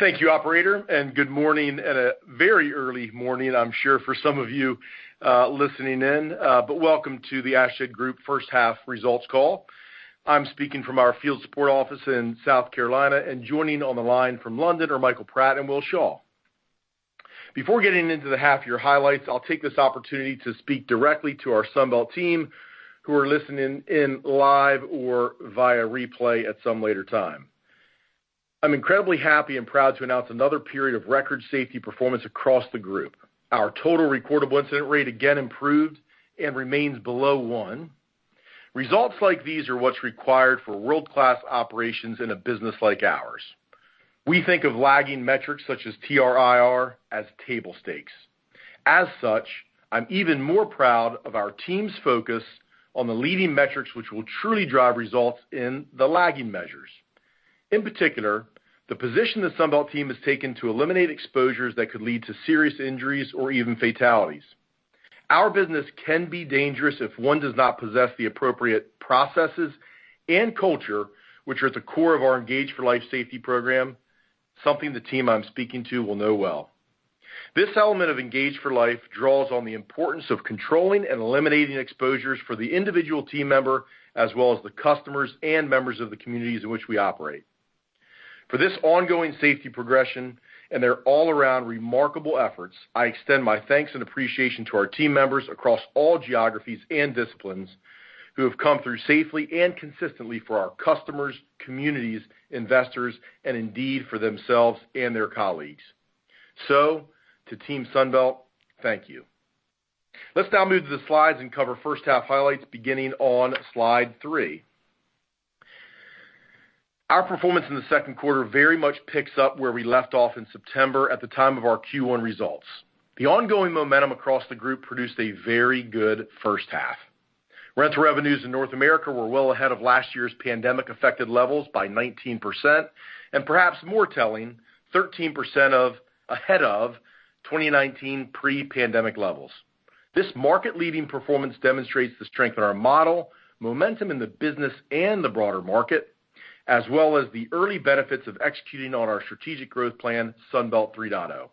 Thank you operator, and good morning, and a very early morning I'm sure for some of you, listening in. Welcome to the Ashtead Group first half results call. I'm speaking from our field support office in South Carolina, and joining on the line from London are Michael Pratt and Will Shaw. Before getting into the half year highlights, I'll take this opportunity to speak directly to our Sunbelt team who are listening in live or via replay at some later time. I'm incredibly happy and proud to announce another period of record safety performance across the group. Our total recordable incident rate again improved and remains below one. Results like these are what's required for world-class operations in a business like ours. We think of lagging metrics such as TRIR as table stakes. As such, I'm even more proud of our team's focus on the leading metrics which will truly drive results in the lagging measures, in particular the position the Sunbelt team has taken to eliminate exposures that could lead to serious injuries or even fatalities. Our business can be dangerous if one does not possess the appropriate processes and culture, which are at the core of our Engage for Life safety program, something the team I'm speaking to will know well. This element of Engage for Life draws on the importance of controlling and eliminating exposures for the individual team member, as well as the customers and members of the communities in which we operate. For this ongoing safety progression and their all-around remarkable efforts, I extend my thanks and appreciation to our team members across all geographies and disciplines who have come through safely and consistently for our customers, communities, investors, and indeed for themselves and their colleagues. To Team Sunbelt, thank you. Let's now move to the slides and cover first half highlights beginning on slide three. Our performance in the second quarter very much picks up where we left off in September at the time of our Q1 results. The ongoing momentum across the group produced a very good first half. Rental revenues in North America were well ahead of last year's pandemic-affected levels by 19%, and perhaps more telling, 13% ahead of 2019 pre-pandemic levels. This market-leading performance demonstrates the strength in our model, momentum in the business and the broader market, as well as the early benefits of executing on our strategic growth plan, Sunbelt 3.0,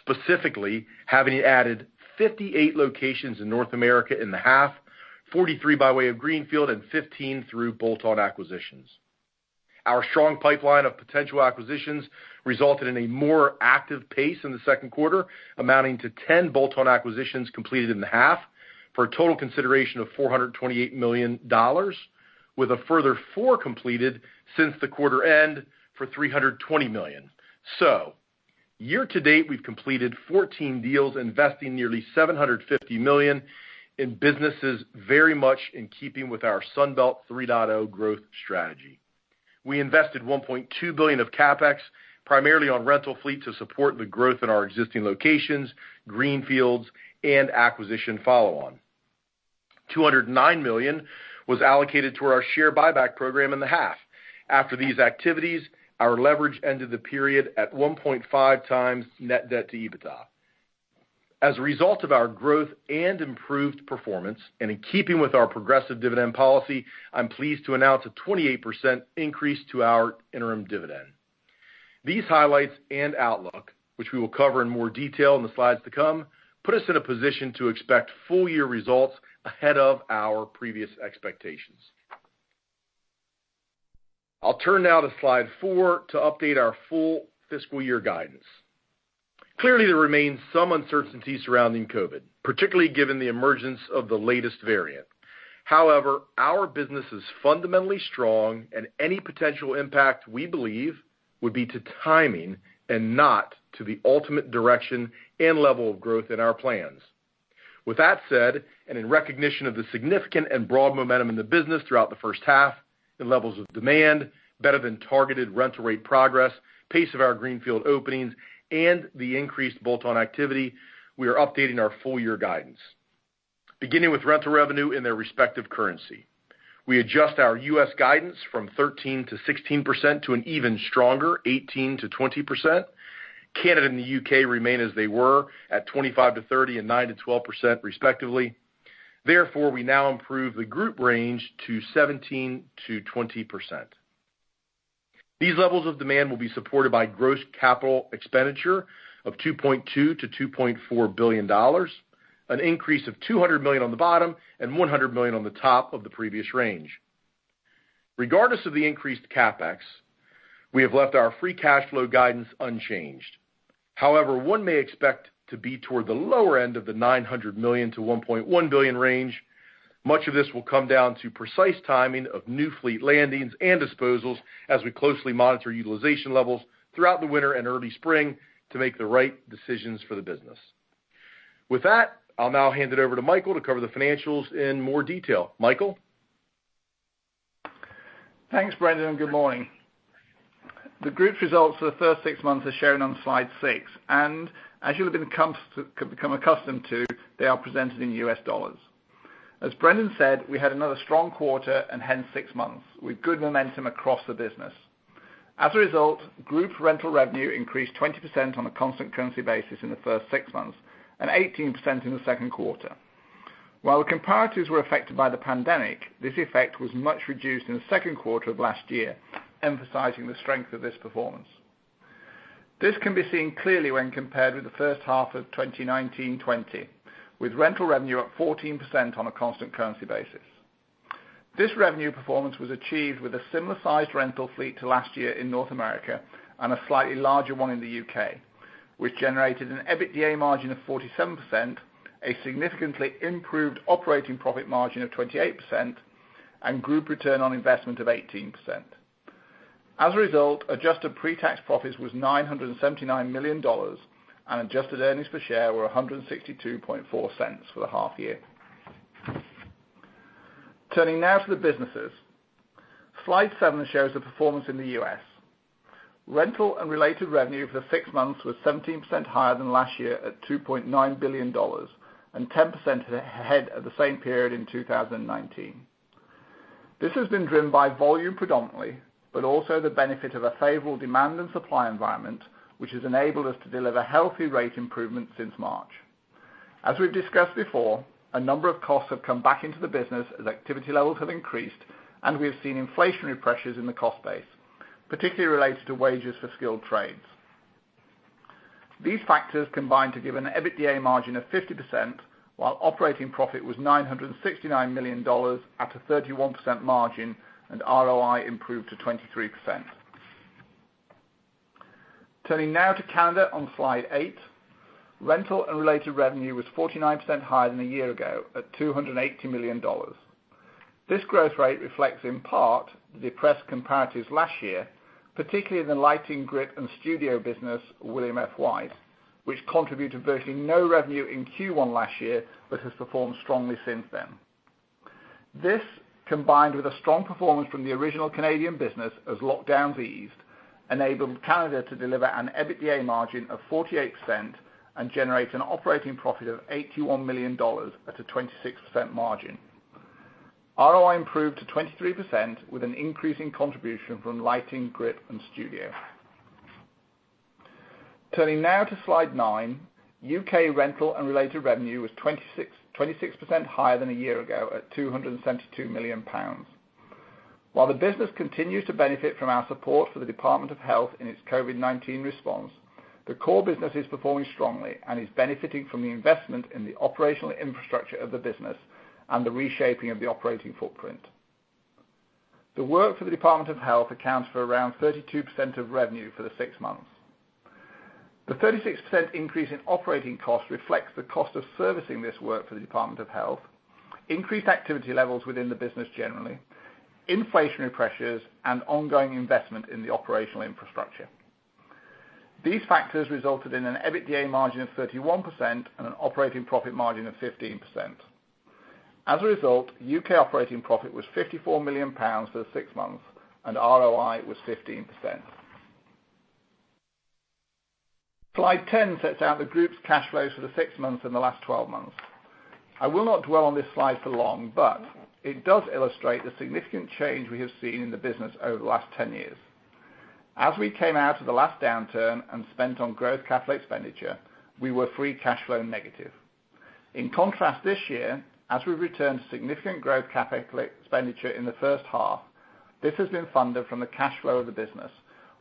specifically having added 58 locations in North America in the half, 43 by way of greenfield and 15 through bolt-on acquisitions. Our strong pipeline of potential acquisitions resulted in a more active pace in the second quarter, amounting to 10 bolt-on acquisitions completed in the half for a total consideration of $428 million, with a further four completed since the quarter end for $320 million. Year-to-date, we've completed 14 deals, investing nearly $750 million in businesses very much in keeping with our Sunbelt 3.0 growth strategy. We invested $1.2 billion of CapEx, primarily on rental fleet to support the growth in our existing locations, Greenfields, and acquisition follow-on. $209 million was allocated to our share buyback program in the half. After these activities, our leverage ended the period at 1.5x net debt EBITDA. As a result of our growth and improved performance, and in keeping with our progressive dividend policy, I'm pleased to announce a 28% increase to our interim dividend. These highlights and outlook, which we will cover in more detail in the slides to come, put us in a position to expect full year results ahead of our previous expectations. I'll turn now to slide four to update our full fiscal year guidance. Clearly, there remains some uncertainty surrounding COVID, particularly given the emergence of the latest variant. However, our business is fundamentally strong and any potential impact, we believe, would be to timing and not to the ultimate direction and level of growth in our plans. With that said, and in recognition of the significant and broad momentum in the business throughout the first half in levels of demand, better than targeted rental rate progress, pace of our greenfield openings, and the increased bolt-on activity, we are updating our full year guidance, beginning with rental revenue in their respective currency. We adjust our U.S. guidance from 13%-16% to an even stronger 18%-20%. Canada and the U.K. remain as they were at 25%-30% and 9%-12% respectively. Therefore, we now improve the group range to 17%-20%. These levels of demand will be supported by gross capital expenditure of $2.2 billion-$2.4 billion, an increase of $200 million on the bottom and $100 million on the top of the previous range. Regardless of the increased CapEx, we have left our free cash flow guidance unchanged. However, one may expect to be toward the lower end of the $900 million-$1.1 billion range. Much of this will come down to precise timing of new fleet landings and disposals as we closely monitor utilization levels throughout the winter and early spring to make the right decisions for the business. With that, I'll now hand it over to Michael to cover the financials in more detail. Michael? Thanks, Brendan, and good morning. The group's results for the first six months are shown on slide six, and as you have become accustomed to, they are presented in U.S. dollars. As Brendan said, we had another strong quarter and hence six months, with good momentum across the business. As a result, group rental revenue increased 20% on a constant currency basis in the first six months and 18% in the second quarter. While the comparatives were affected by the pandemic, this effect was much reduced in the second quarter of last year, emphasizing the strength of this performance. This can be seen clearly when compared with the first half of 2019-2020, with rental revenue up 14% on a constant currency basis. This revenue performance was achieved with a similar-sized rental fleet to last year in North America and a slightly larger one in the U.K., which generated an EBITDA margin of 47%, a significantly improved operating profit margin of 28%, and group return on investment of 18%. As a result, adjusted pre-tax profits was $979 million, and adjusted earnings per share were $1.624 for the half year. Turning now to the businesses. Slide 7 shows the performance in the U.S. Rental and related revenue for the six months was 17% higher than last year at $2.9 billion and 10% ahead of the same period in 2019. This has been driven by volume predominantly, but also the benefit of a favorable demand and supply environment, which has enabled us to deliver healthy rate improvements since March. As we've discussed before, a number of costs have come back into the business as activity levels have increased, and we have seen inflationary pressures in the cost base, particularly related to wages for skilled trades. These factors combine to give an EBITDA margin of 50%, while operating profit was $969 million at a 31% margin, and ROI improved to 23%. Turning now to Canada on slide eight. Rental and related revenue was 49% higher than a year ago at $280 million. This growth rate reflects, in part, the depressed comparatives last year, particularly in the lighting, grip, and studio business, William F. White, which contributed virtually no revenue in Q1 last year but has performed strongly since then. This, combined with a strong performance from the original Canadian business as lockdowns eased, enabled Canada to deliver an EBITDA margin of 48% and generate an operating profit of $81 million at a 26% margin. ROI improved to 23% with an increase in contribution from lighting, grip, and studio. Turning now to slide nine. U.K. rental and related revenue was 26% higher than a year ago at 272 million pounds. While the business continues to benefit from our support for the Department of Health in its COVID-19 response, the core business is performing strongly and is benefiting from the investment in the operational infrastructure of the business and the reshaping of the operating footprint. The work for the Department of Health accounts for around 32% of revenue for the six months. The 36% increase in operating costs reflects the cost of servicing this work for the Department of Health, increased activity levels within the business generally, inflationary pressures, and ongoing investment in the operational infrastructure. These factors resulted in an EBITDA margin of 31% and an operating profit margin of 15%. As a result, U.K. operating profit was 54 million pounds for the six months and ROI was 15%. Slide 10 sets out the group's cash flows for the six months and the last 12 months. I will not dwell on this slide for long, but it does illustrate the significant change we have seen in the business over the last 10 years. As we came out of the last downturn and spent on growth CapEx expenditure, we were free cash flow negative. In contrast, this year, as we returned significant growth CapEx expenditure in the first half, this has been funded from the cash flow of the business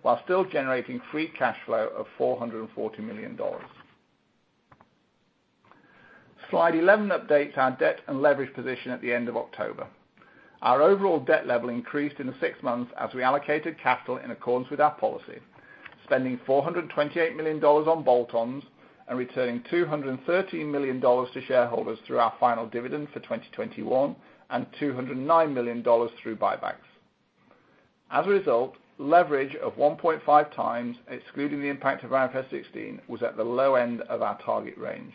while still generating free cash flow of $440 million. Slide 11 updates our debt and leverage position at the end of October. Our overall debt level increased in the six months as we allocated capital in accordance with our policy, spending $428 million on bolt-ons and returning $213 million to shareholders through our final dividend for 2021 and $209 million through buybacks. As a result, leverage of 1.5x, excluding the impact of IFRS 16, was at the low end of our target range.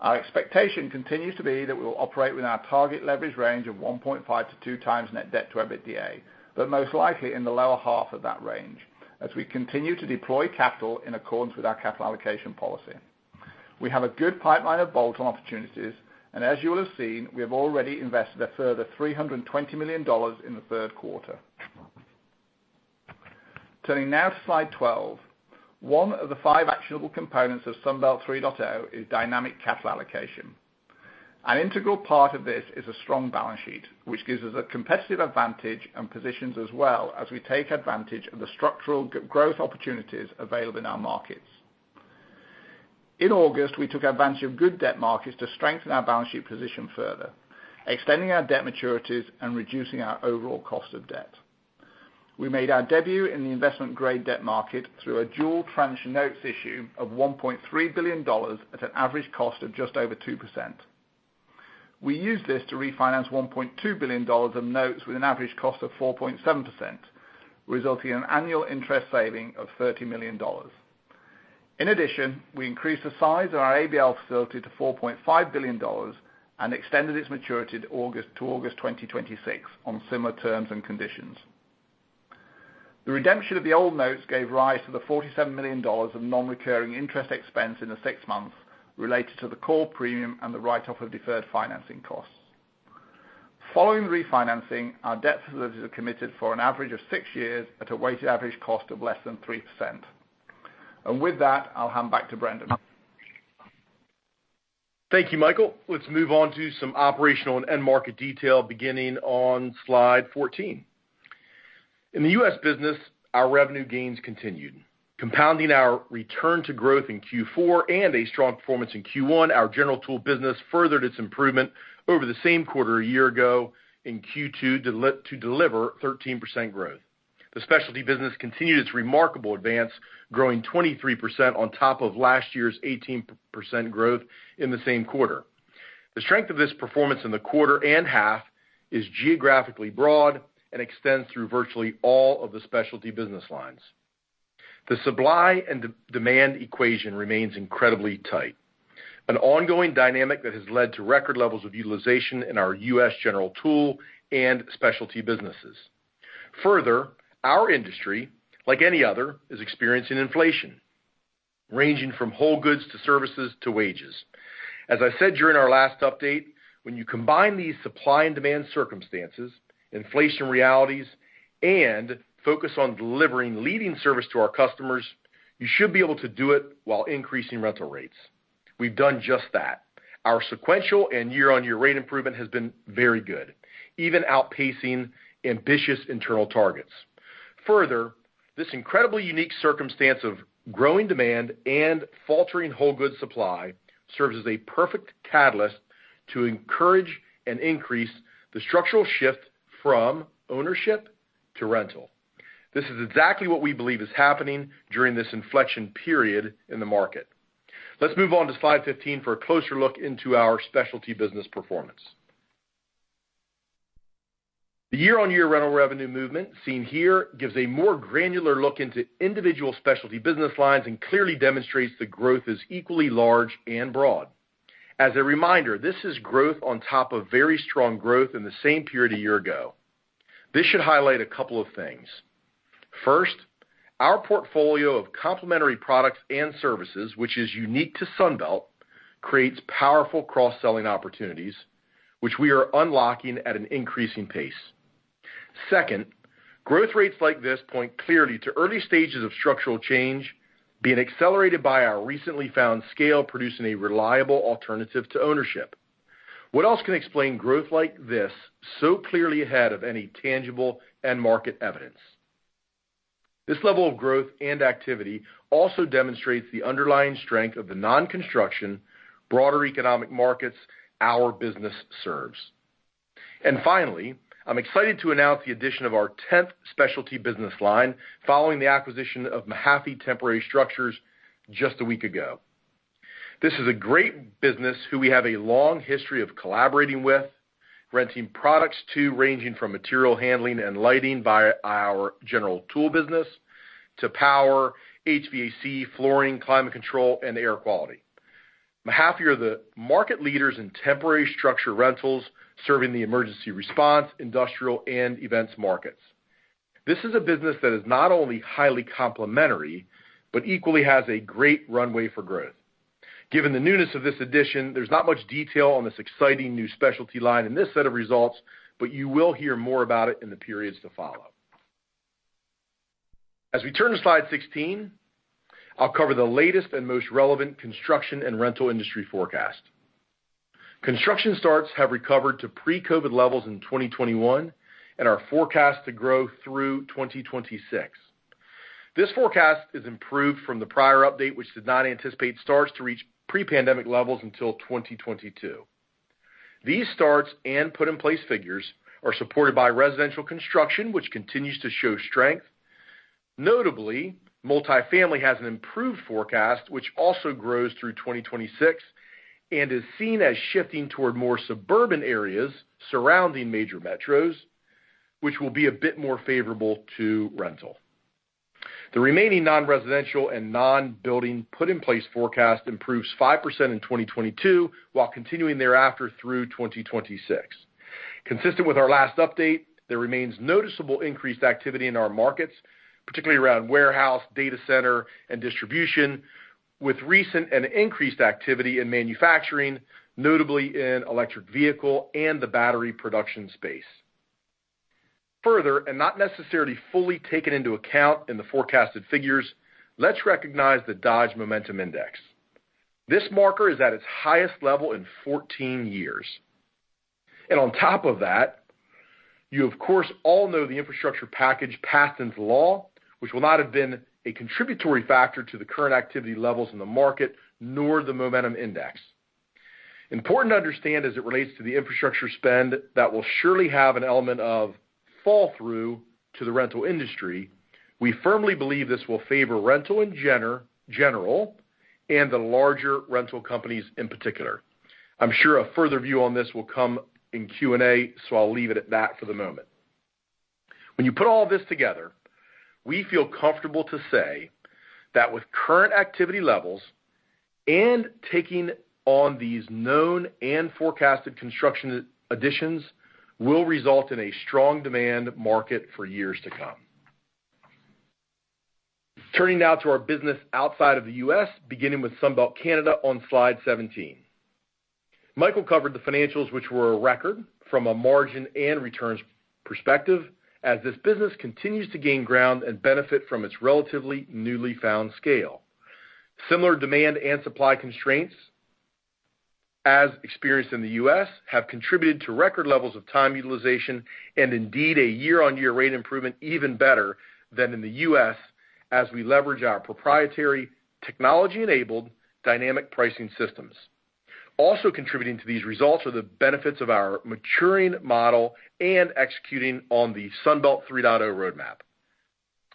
Our expectation continues to be that we will operate within our target leverage range of 1.5-2x net debt to EBITDA, but most likely in the lower half of that range, as we continue to deploy capital in accordance with our capital allocation policy. We have a good pipeline of bolt-on opportunities, and as you will have seen, we have already invested a further $320 million in the third quarter. Turning now to slide 12. One of the five actionable components of Sunbelt 3.0 is dynamic capital allocation. An integral part of this is a strong balance sheet, which gives us a competitive advantage and positions us well as we take advantage of the structural growth opportunities available in our markets. In August, we took advantage of good debt markets to strengthen our balance sheet position further, extending our debt maturities and reducing our overall cost of debt. We made our debut in the investment-grade debt market through a dual tranche notes issue of $1.3 billion at an average cost of just over 2%. We used this to refinance $1.2 billion of notes with an average cost of 4.7%, resulting in an annual interest saving of $30 million. In addition, we increased the size of our ABL facility to $4.5 billion and extended its maturity to August 2026 on similar terms and conditions. The redemption of the old notes gave rise to the $47 million of non-recurring interest expense in the six months related to the call premium and the write-off of deferred financing costs. Following refinancing, our debt facilities are committed for an average of six years at a weighted average cost of less than 3%. With that, I'll hand back to Brendan. Thank you, Michael. Let's move on to some operational and end-market detail beginning on slide 14. In the U.S. business, our revenue gains continued. Compounding our return to growth in Q4 and a strong performance in Q1, our general tool business furthered its improvement over the same quarter a year ago in Q2 to deliver 13% growth. The specialty business continued its remarkable advance, growing 23% on top of last year's 18% growth in the same quarter. The strength of this performance in the quarter and half is geographically broad and extends through virtually all of the specialty business lines. The supply and demand equation remains incredibly tight, an ongoing dynamic that has led to record levels of utilization in our U.S. general tool and specialty businesses. Further, our industry, like any other, is experiencing inflation, ranging from whole goods to services to wages. As I said during our last update, when you combine these supply and demand circumstances, inflation realities, and focus on delivering leading service to our customers, you should be able to do it while increasing rental rates. We've done just that. Our sequential and year-on-year rate improvement has been very good, even outpacing ambitious internal targets. Further, this incredibly unique circumstance of growing demand and faltering whole goods supply serves as a perfect catalyst to encourage and increase the structural shift from ownership to rental. This is exactly what we believe is happening during this inflection period in the market. Let's move on to slide 15 for a closer look into our specialty business performance. The year-on-year rental revenue movement seen here gives a more granular look into individual specialty business lines and clearly demonstrates the growth is equally large and broad. As a reminder, this is growth on top of very strong growth in the same period a year ago. This should highlight a couple of things. First, our portfolio of complementary products and services, which is unique to Sunbelt, creates powerful cross-selling opportunities, which we are unlocking at an increasing pace. Second, growth rates like this point clearly to early stages of structural change being accelerated by our recently found scale, producing a reliable alternative to ownership. What else can explain growth like this so clearly ahead of any tangible end market evidence? This level of growth and activity also demonstrates the underlying strength of the non-construction, broader economic markets our business serves. Finally, I'm excited to announce the addition of our 10th specialty business line following the acquisition of Mahaffey Temporary Structures just a week ago. This is a great business who we have a long history of collaborating with, renting products to, ranging from material handling and lighting via our general tool business, to power, HVAC, flooring, climate control, and air quality. Mahaffey are the market leaders in temporary structure rentals serving the emergency response, industrial, and events markets. This is a business that is not only highly complementary, but equally has a great runway for growth. Given the newness of this addition, there's not much detail on this exciting new specialty line in this set of results, but you will hear more about it in the periods to follow. As we turn to slide 16, I'll cover the latest and most relevant construction and rental industry forecast. Construction starts have recovered to pre-COVID levels in 2021 and are forecast to grow through 2026. This forecast is improved from the prior update, which did not anticipate starts to reach pre-pandemic levels until 2022. These starts and put in place figures are supported by residential construction, which continues to show strength. Notably, multifamily has an improved forecast, which also grows through 2026 and is seen as shifting toward more suburban areas surrounding major metros, which will be a bit more favorable to rental. The remaining non-residential and non-building put in place forecast improves 5% in 2022 while continuing thereafter through 2026. Consistent with our last update, there remains noticeable increased activity in our markets, particularly around warehouse, data center, and distribution, with recent and increased activity in manufacturing, notably in electric vehicle and the battery production space. Further, and not necessarily fully taken into account in the forecasted figures, let's recognize the Dodge Momentum Index. This marker is at its highest level in 14 years. On top of that, you of course all know the infrastructure package passed into law, which will not have been a contributory factor to the current activity levels in the market, nor the momentum index. Important to understand as it relates to the infrastructure spend that will surely have an element of fall through to the rental industry, we firmly believe this will favor rental in general and the larger rental companies in particular. I'm sure a further view on this will come in Q&A, so I'll leave it at that for the moment. When you put all this together, we feel comfortable to say that with current activity levels and taking on these known and forecasted construction additions will result in a strong demand market for years to come. Turning now to our business outside of the U.S., beginning with Sunbelt Canada on slide 17. Michael covered the financials, which were a record from a margin and returns perspective, as this business continues to gain ground and benefit from its relatively newly found scale. Similar demand and supply constraints as experienced in the U.S. have contributed to record levels of time utilization and indeed a year-on-year rate improvement even better than in the U.S. as we leverage our proprietary technology-enabled dynamic pricing systems. Also contributing to these results are the benefits of our maturing model and executing on the Sunbelt 3.0 roadmap.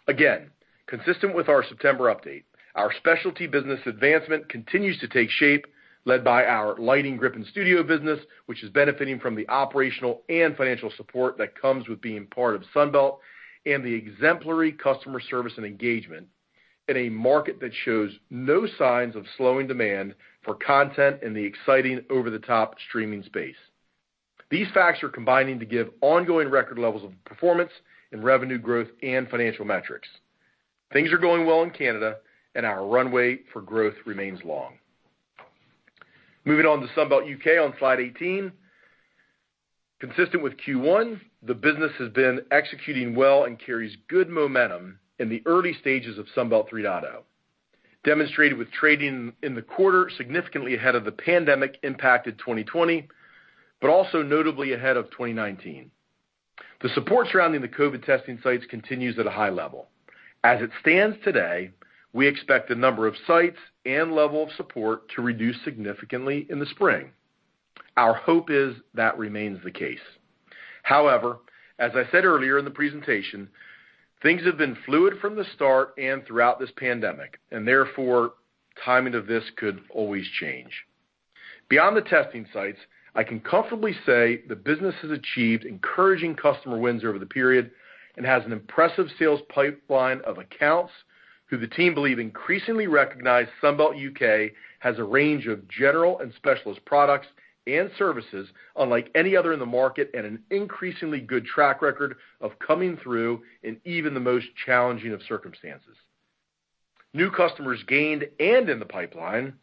Again, consistent with our September update, our specialty business advancement continues to take shape led by our lighting, grip, and studio business, which is benefiting from the operational and financial support that comes with being part of Sunbelt and the exemplary customer service and engagement in a market that shows no signs of slowing demand for content in the exciting over-the-top streaming space. These facts are combining to give ongoing record levels of performance in revenue growth and financial metrics. Things are going well in Canada and our runway for growth remains long. Moving on to Sunbelt UK on slide 18. Consistent with Q1, the business has been executing well and carries good momentum in the early stages of Sunbelt 3.0, demonstrated with trading in the quarter significantly ahead of the pandemic impacted 2020, but also notably ahead of 2019. The support surrounding the COVID-19 testing sites continues at a high level. As it stands today, we expect the number of sites and level of support to reduce significantly in the spring. Our hope is that remains the case. However, as I said earlier in the presentation, things have been fluid from the start and throughout this pandemic, and therefore timing of this could always change. Beyond the testing sites, I can comfortably say the business has achieved encouraging customer wins over the period and has an impressive sales pipeline of accounts who the team believe increasingly recognize Sunbelt UK has a range of general and specialist products and services unlike any other in the market and an increasingly good track record of coming through in even the most challenging of circumstances. New customers gained and in the pipeline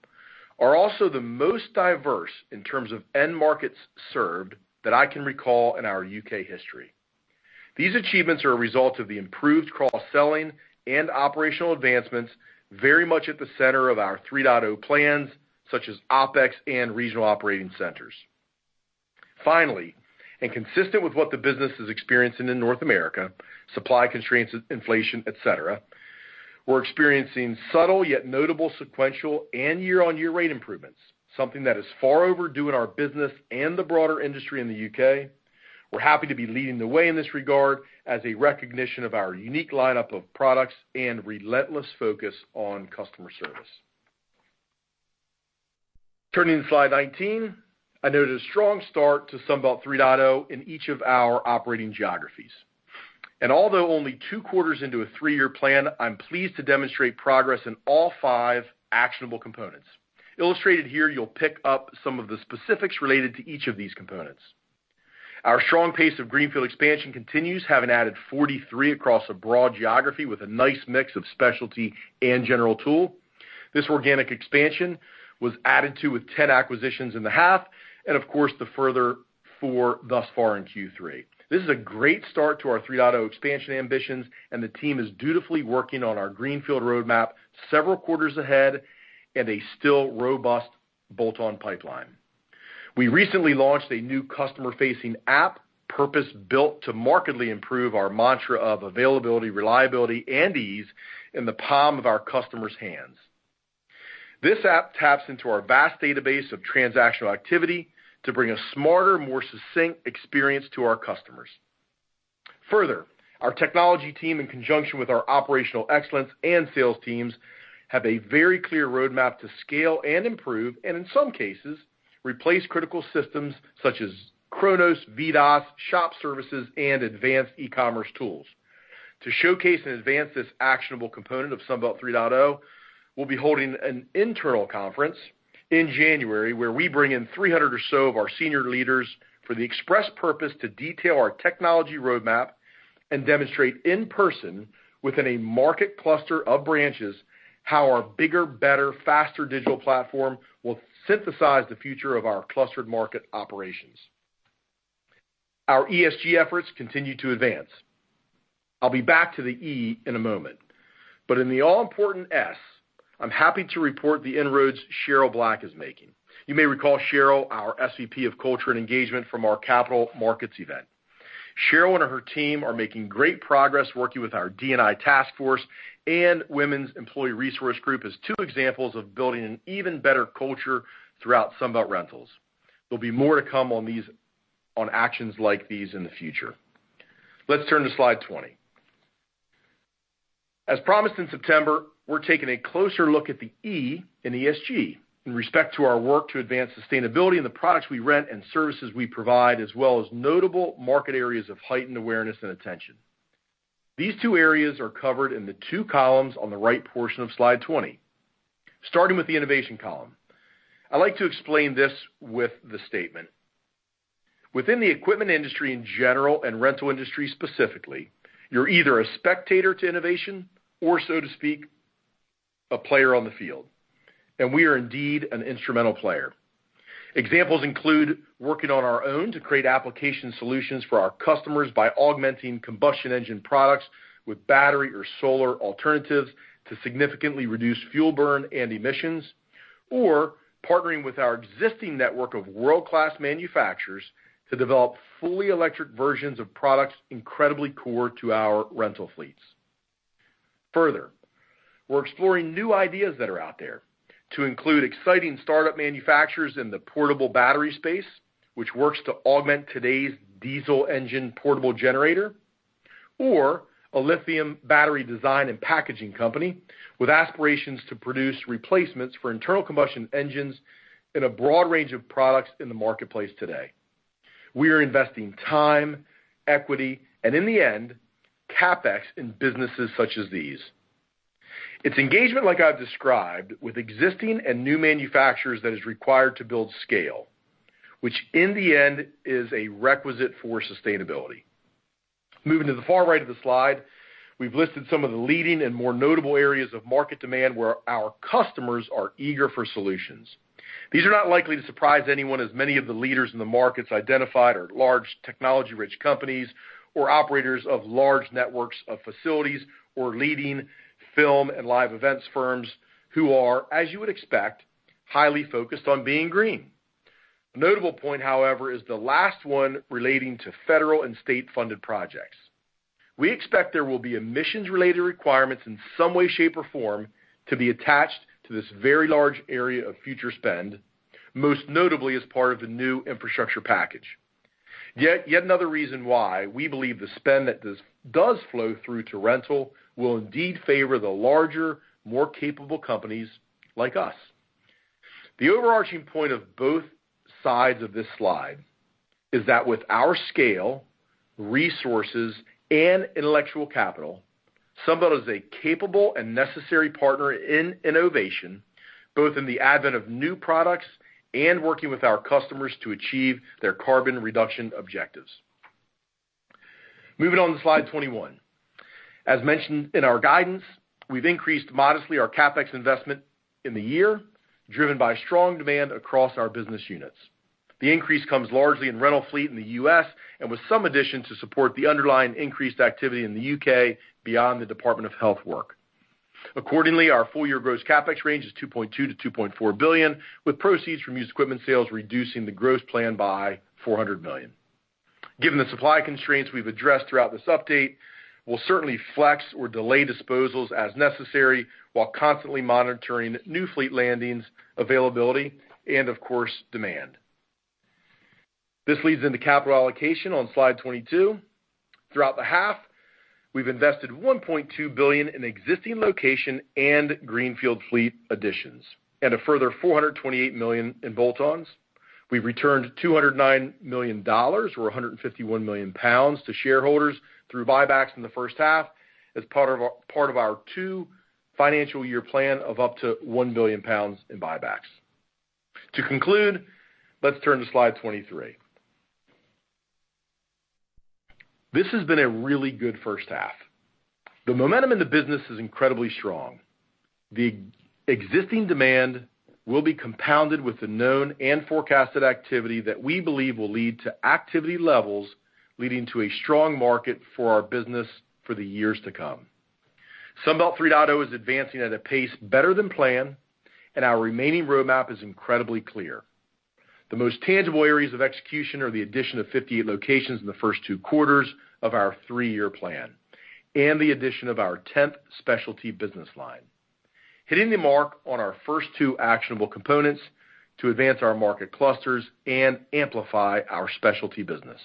are also the most diverse in terms of end markets served that I can recall in our U.K. history. These achievements are a result of the improved cross-selling and operational advancements very much at the center of our 3.0 plans, such as OpEx and regional operating centers. Finally, and consistent with what the business is experiencing in North America, supply constraints, inflation, etc., we're experiencing subtle yet notable sequential and year-on-year rate improvements, something that is far overdue in our business and the broader industry in the U.K. We're happy to be leading the way in this regard as a recognition of our unique lineup of products and relentless focus on customer service. Turning to slide 19, I noted a strong start to Sunbelt 3.0 in each of our operating geographies. Although only two quarters into a three-year plan, I'm pleased to demonstrate progress in all five actionable components. Illustrated here, you'll pick up some of the specifics related to each of these components. Our strong pace of greenfield expansion continues, having added 43 across a broad geography with a nice mix of specialty and general tool. This organic expansion was added to with 10 acquisitions in the half, and of course the further four thus far in Q3. This is a great start to our 3.0 expansion ambitions, and the team is dutifully working on our greenfield roadmap several quarters ahead and a still robust bolt-on pipeline. We recently launched a new customer-facing app purpose-built to markedly improve our mantra of availability, reliability, and ease in the palm of our customers' hands. This app taps into our vast database of transactional activity to bring a smarter, more succinct experience to our customers. Further, our technology team in conjunction with our operational excellence and sales teams have a very clear roadmap to scale and improve, and in some cases, replace critical systems such as Kronos, VDOS, shop services, and advanced e-commerce tools. To showcase and advance this actionable component of Sunbelt 3.0, we'll be holding an internal conference in January where we bring in 300 or so of our senior leaders for the express purpose to detail our technology roadmap and demonstrate in person within a market cluster of branches how our bigger, better, faster digital platform will synthesize the future of our clustered market operations. Our ESG efforts continue to advance. I'll be back to the 'E' in a moment. In the all-important 'S', I'm happy to report the inroads Cheryl Black is making. You may recall Cheryl, our SVP of Culture and Engagement from our Capital Markets Event. Cheryl and her team are making great progress working with our D&I task force and women's employee resource group as two examples of building an even better culture throughout Sunbelt Rentals. There'll be more to come on actions like these in the future. Let's turn to slide 20. As promised in September, we're taking a closer look at the 'E' in ESG in respect to our work to advance sustainability in the products we rent and services we provide, as well as notable market areas of heightened awareness and attention. These two areas are covered in the two columns on the right portion of slide 20. Starting with the innovation column. I'd like to explain this with the statement. Within the equipment industry in general, and rental industry specifically, you're either a spectator to innovation or, so to speak, a player on the field. We are indeed an instrumental player. Examples include working on our own to create application solutions for our customers by augmenting combustion engine products with battery or solar alternatives to significantly reduce fuel burn and emissions. Partnering with our existing network of world-class manufacturers to develop fully electric versions of products incredibly core to our rental fleets. We're exploring new ideas that are out there to include exciting startup manufacturers in the portable battery space, which works to augment today's diesel engine portable generator. A lithium battery design and packaging company with aspirations to produce replacements for internal combustion engines in a broad range of products in the marketplace today. We are investing time, equity, and in the end, CapEx in businesses such as these. It's engagement like I've described with existing and new manufacturers that is required to build scale, which in the end is a requisite for sustainability. Moving to the far right of the slide, we've listed some of the leading and more notable areas of market demand where our customers are eager for solutions. These are not likely to surprise anyone, as many of the leaders in the markets identified are large technology-rich companies or operators of large networks of facilities or leading film and live events firms who are, as you would expect, highly focused on being green. A notable point, however, is the last one relating to federal and state-funded projects. We expect there will be emissions-related requirements in some way, shape, or form to be attached to this very large area of future spend, most notably as part of the new infrastructure package. Yet another reason why we believe the spend that does flow through to rental will indeed favor the larger, more capable companies like us. The overarching point of both sides of this slide is that with our scale, resources, and intellectual capital, Sunbelt is a capable and necessary partner in innovation, both in the advent of new products and working with our customers to achieve their carbon reduction objectives. Moving on to slide 21. As mentioned in our guidance, we've increased modestly our CapEx investment in the year, driven by strong demand across our business units. The increase comes largely in rental fleet in the U.S. and with some additions to support the underlying increased activity in the U.K. beyond the Department of Health work. Accordingly, our full-year gross CapEx range is $2.2 billion-$2.4 billion, with proceeds from used equipment sales reducing the gross plan by $400 million. Given the supply constraints we've addressed throughout this update, we'll certainly flex or delay disposals as necessary while constantly monitoring new fleet landings, availability, and of course, demand. This leads into capital allocation on slide 22. Throughout the half, we've invested $1.2 billion in existing location and greenfield fleet additions, and a further $428 million in bolt-ons. We've returned $209 million or 151 million pounds to shareholders through buybacks in the first half as part of our two financial year plan of up to 1 billion pounds in buybacks. To conclude, let's turn to slide 23. This has been a really good first half. The momentum in the business is incredibly strong. The existing demand will be compounded with the known and forecasted activity that we believe will lead to activity levels leading to a strong market for our business for the years to come. Sunbelt 3.0 is advancing at a pace better than planned, and our remaining roadmap is incredibly clear. The most tangible areas of execution are the addition of 58 locations in the first two quarters of our three-year plan and the addition of our 10th specialty business line. Hitting the mark on our first two actionable components to advance our market clusters and amplify our specialty business.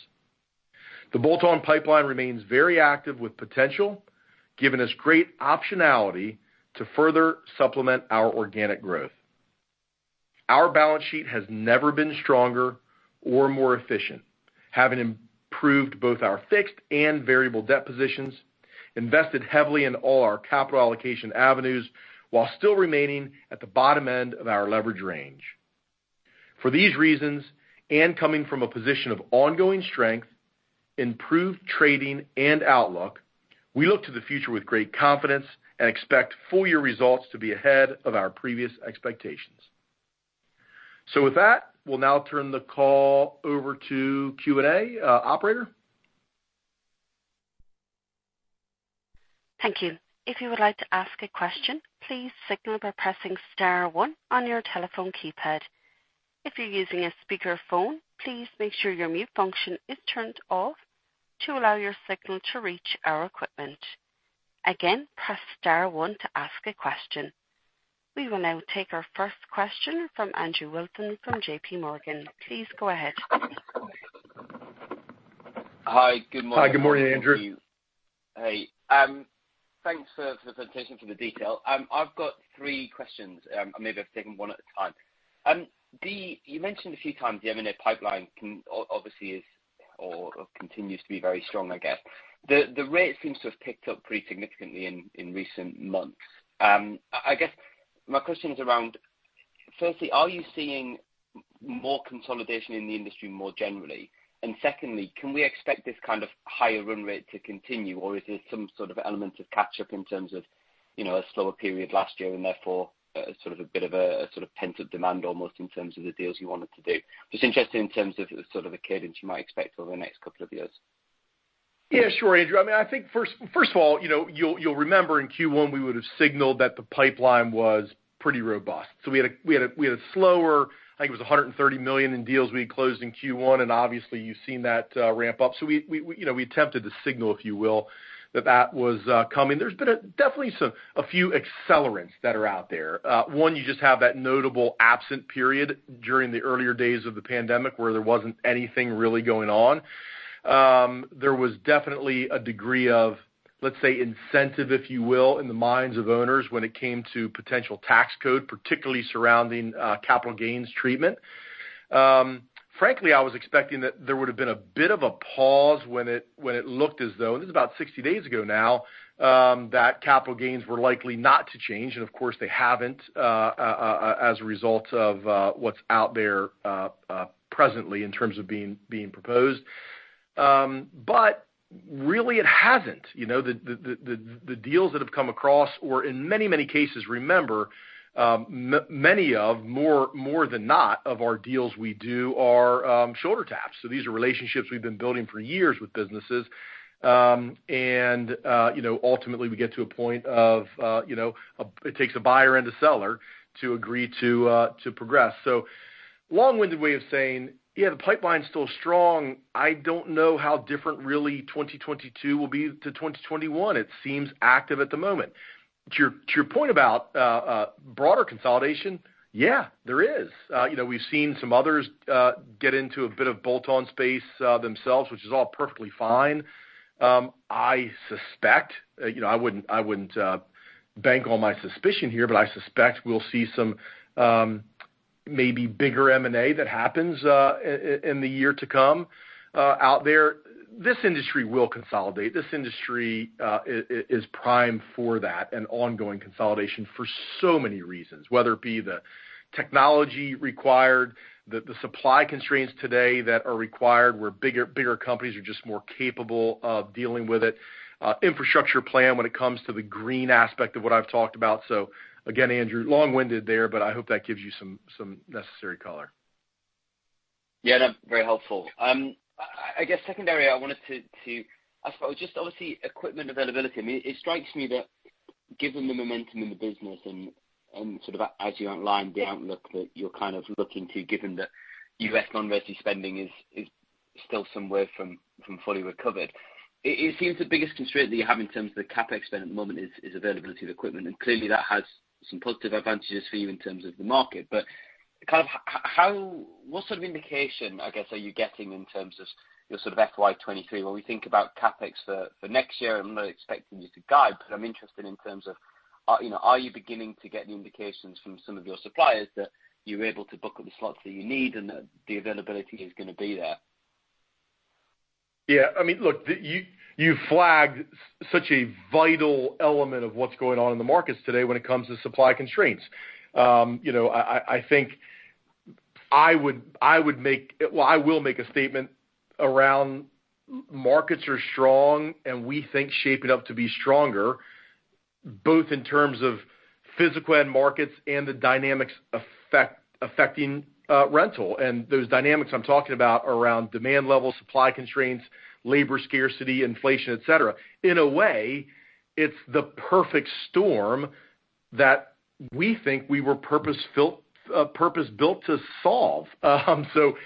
The bolt-on pipeline remains very active with potential, giving us great optionality to further supplement our organic growth. Our balance sheet has never been stronger or more efficient, having improved both our fixed and variable debt positions, invested heavily in all our capital allocation avenues while still remaining at the bottom end of our leverage range. For these reasons, and coming from a position of ongoing strength, improved trading, and outlook, we look to the future with great confidence and expect full-year results to be ahead of our previous expectations. With that, we'll now turn the call over to Q&A. Operator? Thank you. If you would like to ask a question, please signal by pressing star one on your telephone keypad. If you're using a speakerphone, please make sure your mute function is turned off to allow your signal to reach our equipment. Again, press star one to ask a question. We will now take our first question from Andrew Wilson from JPMorgan. Please go ahead. Hi, good morning. Hi, good morning, Andrew. Hey, thanks for the presentation, for the detail. I've got three questions. Maybe if I take them one at a time. You mentioned a few times the M&A pipeline can obviously is- Continues to be very strong, I guess. The rate seems to have picked up pretty significantly in recent months. I guess my question is around, firstly, are you seeing more consolidation in the industry more generally? And secondly, can we expect this kind of higher run rate to continue, or is there some sort of element of catch-up in terms of, you know, a slower period last year, and therefore, sort of a bit of a sort of pent-up demand almost in terms of the deals you wanted to do? Just interested in terms of the sort of cadence you might expect over the next couple of years. Yeah, sure, Andrew. I mean, I think first of all, you know, you'll remember in Q1 we would've signaled that the pipeline was pretty robust. We had a slower. I think it was $130 million in deals we had closed in Q1, and obviously you've seen that ramp up. We you know we attempted to signal, if you will, that that was coming. There's been definitely a few accelerants that are out there. One, you just have that notable absent period during the earlier days of the pandemic where there wasn't anything really going on. There was definitely a degree of, let's say, incentive, if you will, in the minds of owners when it came to potential tax code, particularly surrounding capital gains treatment. Frankly, I was expecting that there would've been a bit of a pause when it looked as though, and this is about 60 days ago now, that capital gains were likely not to change, and of course they haven't, as a result of what's out there presently in terms of being proposed. Really it hasn't. You know, the deals that have come across, or in many cases, remember, many of more than not of our deals we do are shoulder taps. These are relationships we've been building for years with businesses. You know, ultimately we get to a point of, you know, it takes a buyer and a seller to agree to progress. Long-winded way of saying, yeah, the pipeline's still strong. I don't know how different really 2022 will be to 2021. It seems active at the moment. To your point about broader consolidation, yeah, there is. You know, we've seen some others get into a bit of bolt-on space themselves, which is all perfectly fine. I suspect, you know, I wouldn't bank all my suspicion here, but I suspect we'll see some maybe bigger M&A that happens in the year to come out there. This industry will consolidate. This industry is primed for that and ongoing consolidation for so many reasons, whether it be the technology required, the supply constraints today that are required, where bigger companies are just more capable of dealing with it, infrastructure plan when it comes to the green aspect of what I've talked about. Again, Andrew, long-winded there, but I hope that gives you some necessary color. Yeah, that's very helpful. I guess secondarily, I wanted to ask about just obviously equipment availability. I mean, it strikes me that given the momentum in the business and sort of as you outlined the outlook that you're kind of looking to, given that U.S. non-residential spending is still far from fully recovered, it seems the biggest constraint that you have in terms of the CapEx spend at the moment is availability of equipment. And clearly that has some positive advantages for you in terms of the market. Kind of, how, what sort of indication, I guess, are you getting in terms of your sort of FY 2023 when we think about CapEx for next year? I'm not expecting you to guide, but I'm interested in terms of, you know, are you beginning to get any indications from some of your suppliers that you are able to book up the slots that you need and that the availability is gonna be there? Yeah. I mean, look, you flagged such a vital element of what's going on in the markets today when it comes to supply constraints. You know, I think I will make a statement around markets are strong, and we think shaping up to be stronger, both in terms of physical end markets and the dynamics affecting rental. Those dynamics I'm talking about around demand level, supply constraints, labor scarcity, inflation, et cetera. In a way, it's the perfect storm that we think we were purpose-built to solve. It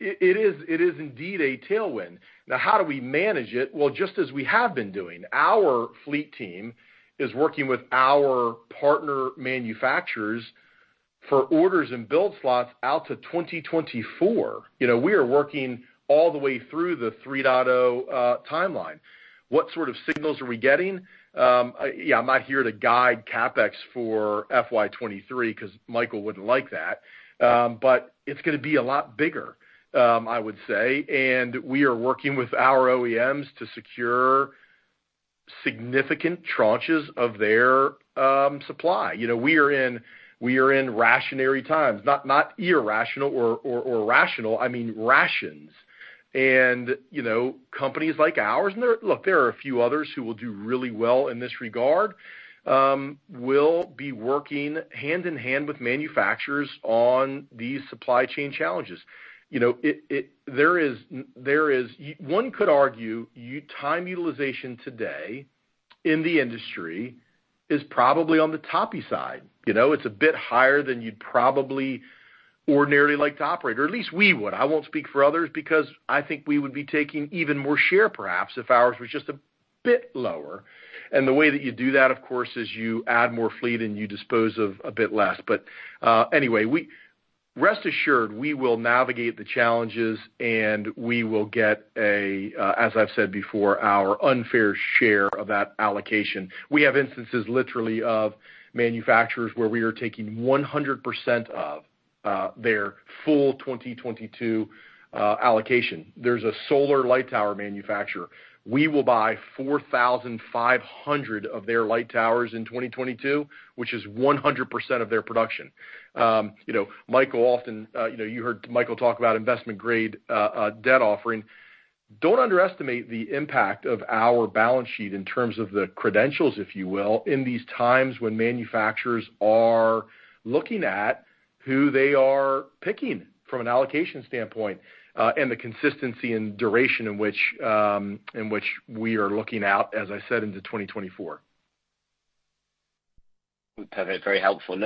is indeed a tailwind. Now, how do we manage it? Well, just as we have been doing. Our fleet team is working with our partner manufacturers for orders and build slots out to 2024. You know, we are working all the way through the 3.0 timeline. What sort of signals are we getting? Yeah, I'm not here to guide CapEx for FY 2023, 'cause Michael wouldn't like that. It's gonna be a lot bigger, I would say. We are working with our OEMs to secure significant tranches of their supply. You know, we are in rationing times. Not irrational or rational; I mean, rations. You know, companies like ours. Look, there are a few others who will do really well in this regard, will be working hand in hand with manufacturers on these supply chain challenges. You know, one could argue time utilization today in the industry is probably on the toppy side. You know? It's a bit higher than you'd probably ordinarily like to operate, or at least we would. I won't speak for others because I think we would be taking even more share perhaps if ours was just a bit lower. The way that you do that, of course, is you add more fleet and you dispose of a bit less. Anyway, rest assured we will navigate the challenges, and we will get a, as I've said before, our unfair share of that allocation. We have instances literally of manufacturers where we are taking 100% of their full 2022 allocation. There's a solar light tower manufacturer. We will buy 4,500 of their light towers in 2022, which is 100% of their production. You know, Michael often, you know, you heard Michael talk about investment grade debt offering. Don't underestimate the impact of our balance sheet in terms of the credentials, if you will, in these times when manufacturers are looking at who they are picking from an allocation standpoint, and the consistency and duration in which we are looking out, as I said, into 2024. Okay. Very helpful.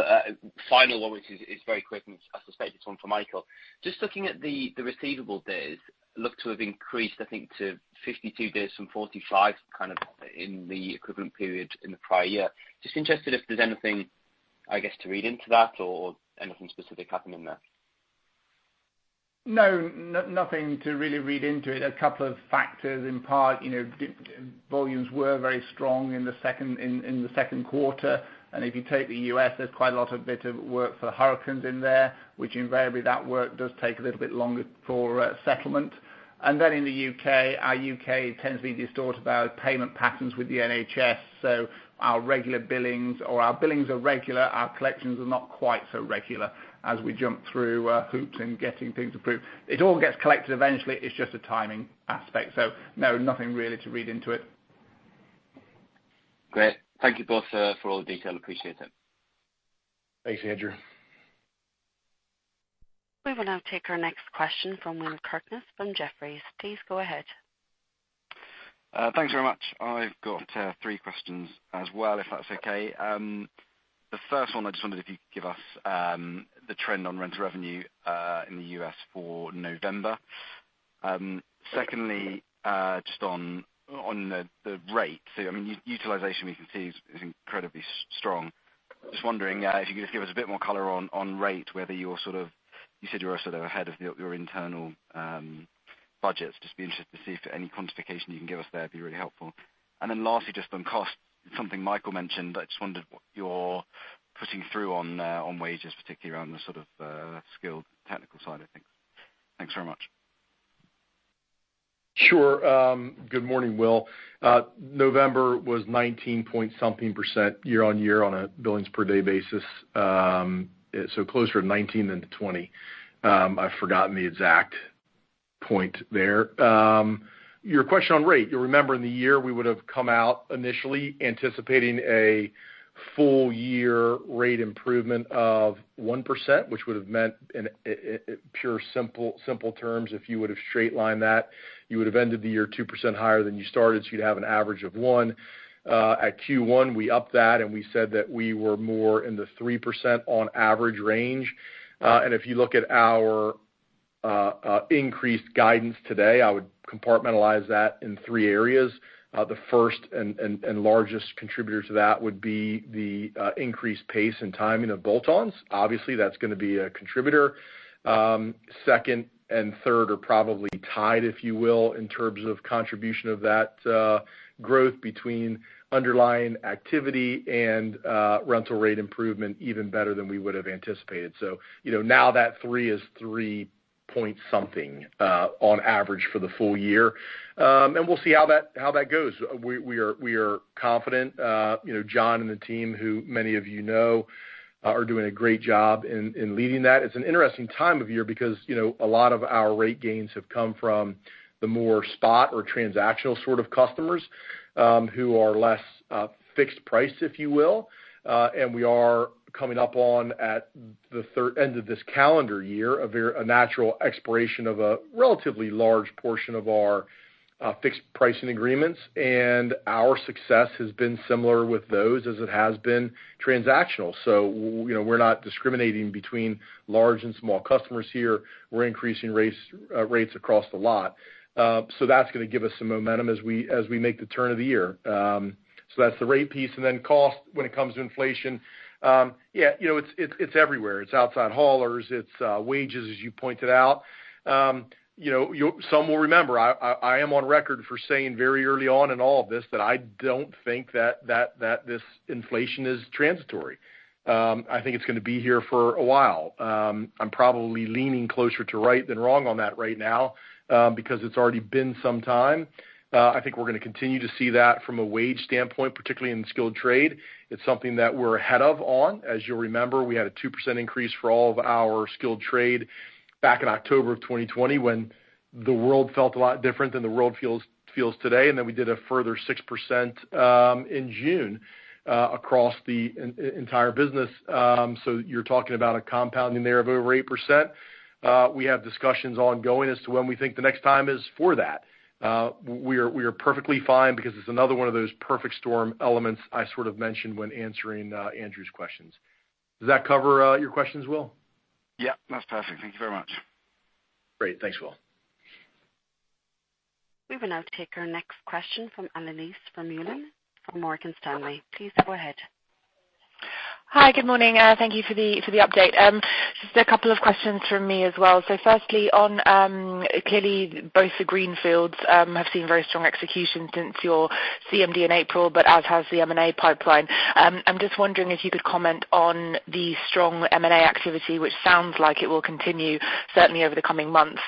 Final one, which is very quick, and I suspect it's one for Michael. Just looking at the receivable days look to have increased, I think, to 52 days from 45 kind of in the equivalent period in the prior year. Just interested if there's anything, I guess, to read into that or anything specific happening there. No, nothing to really read into it. A couple of factors in part. You know, demand volumes were very strong in the second quarter. If you take the U.S., there's quite a bit of work for hurricanes in there, which invariably that work does take a little bit longer for settlement. Then in the U.K., our U.K. tends to be distorted by our payment patterns with the NHS. Our billings are regular. Our collections are not quite so regular as we jump through hoops in getting things approved. It all gets collected eventually. It's just a timing aspect. No, nothing really to read into it. Great. Thank you both for all the detail. Appreciate it. Thanks, Andrew. We will now take our next question from Will Kirkness from Jefferies. Please go ahead. Thanks very much. I've got three questions as well, if that's okay. The first one, I just wondered if you could give us the trend on rental revenue in the U.S. for November. Secondly, just on the rate. I mean, utilization we can see is incredibly strong. Just wondering if you could just give us a bit more color on rate, whether you're sort of you said you're sort of ahead of your internal budgets. Just be interested to see if any quantification you can give us there would be really helpful. Then lastly, just on cost, something Michael mentioned. I just wondered what you're putting through on wages, particularly around the sort of skilled technical side of things. Thanks very much. Sure. Good morning, Will. November was 19-point-something percent year-on-year on a billings per day basis. Closer to 19% than to 20%. I've forgotten the exact point there. Your question on rate. You'll remember in the year, we would have come out initially anticipating a full year rate improvement of 1%, which would have meant in pure, simple terms, if you would have straight lined that, you would have ended the year 2% higher than you started, so you'd have an average of 1%. At Q1, we upped that, and we said that we were more in the 3% on average range. If you look at our increased guidance today, I would compartmentalize that in three areas. The first and largest contributor to that would be the increased pace and timing of bolt-ons. Obviously, that's gonna be a contributor. Second and third are probably tied, if you will, in terms of contribution of that growth between underlying activity and rental rate improvement even better than we would have anticipated. You know, now that 3% is 3-point-something on average for the full year. We'll see how that goes. We are confident. You know, John and the team, who many of you know, are doing a great job in leading that. It's an interesting time of year because, you know, a lot of our rate gains have come from the more spot or transactional sort of customers who are less fixed price, if you will. We are coming up on the end of the third quarter of this calendar year, a natural expiration of a relatively large portion of our fixed pricing agreements, and our success has been similar with those as it has been transactional. We're not discriminating between large and small customers here. We're increasing rates across the board. That's gonna give us some momentum as we make the turn of the year. That's the rate piece and then costs when it comes to inflation. Yeah, you know, it's everywhere. It's outside haulers. It's wages, as you pointed out. You know, some will remember, I am on record for saying very early on in all of this that I don't think that this inflation is transitory. I think it's gonna be here for a while. I'm probably leaning closer to right than wrong on that right now, because it's already been some time. I think we're gonna continue to see that from a wage standpoint, particularly in the skilled trade. It's something that we're ahead of on. As you'll remember, we had a 2% increase for all of our skilled trade back in October 2020 when the world felt a lot different than the world feels today. Then we did a further 6% in June across the entire business. You're talking about a compounding there of over 8%. We have discussions ongoing as to when we think the next time is for that. We are perfectly fine because it's another one of those perfect storm elements I sort of mentioned when answering Andrew's questions. Does that cover your questions, Will? Yeah, that's perfect. Thank you very much. Great. Thanks, Will. We will now take our next question from Annelies Vermeulen from Morgan Stanley. Please go ahead. Hi, good morning. Thank you for the update. Just a couple of questions from me as well. Firstly, clearly both the greenfields have seen very strong execution since your CMD in April, but as has the M&A pipeline. I'm just wondering if you could comment on the strong M&A activity which sounds like it will continue certainly over the coming months.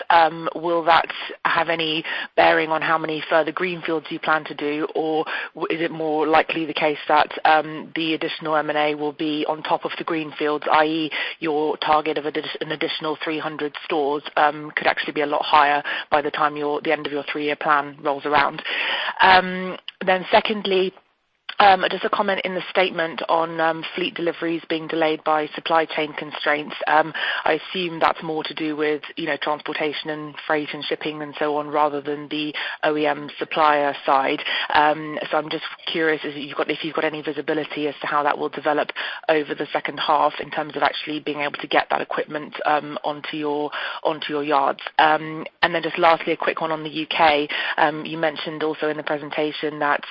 Will that have any bearing on how many further greenfields you plan to do? Or is it more likely the case that the additional M&A will be on top of the greenfields, i.e. your target of an additional 300 stores could actually be a lot higher by the time the end of your three-year plan rolls around. Secondly, just a comment in the statement on fleet deliveries being delayed by supply chain constraints. I assume that's more to do with, you know, transportation and freight and shipping and so on, rather than the OEM supplier side. So I'm just curious if you've got any visibility as to how that will develop over the second half in terms of actually being able to get that equipment onto your yards. And then just lastly, a quick one on the U.K. You mentioned also in the presentation that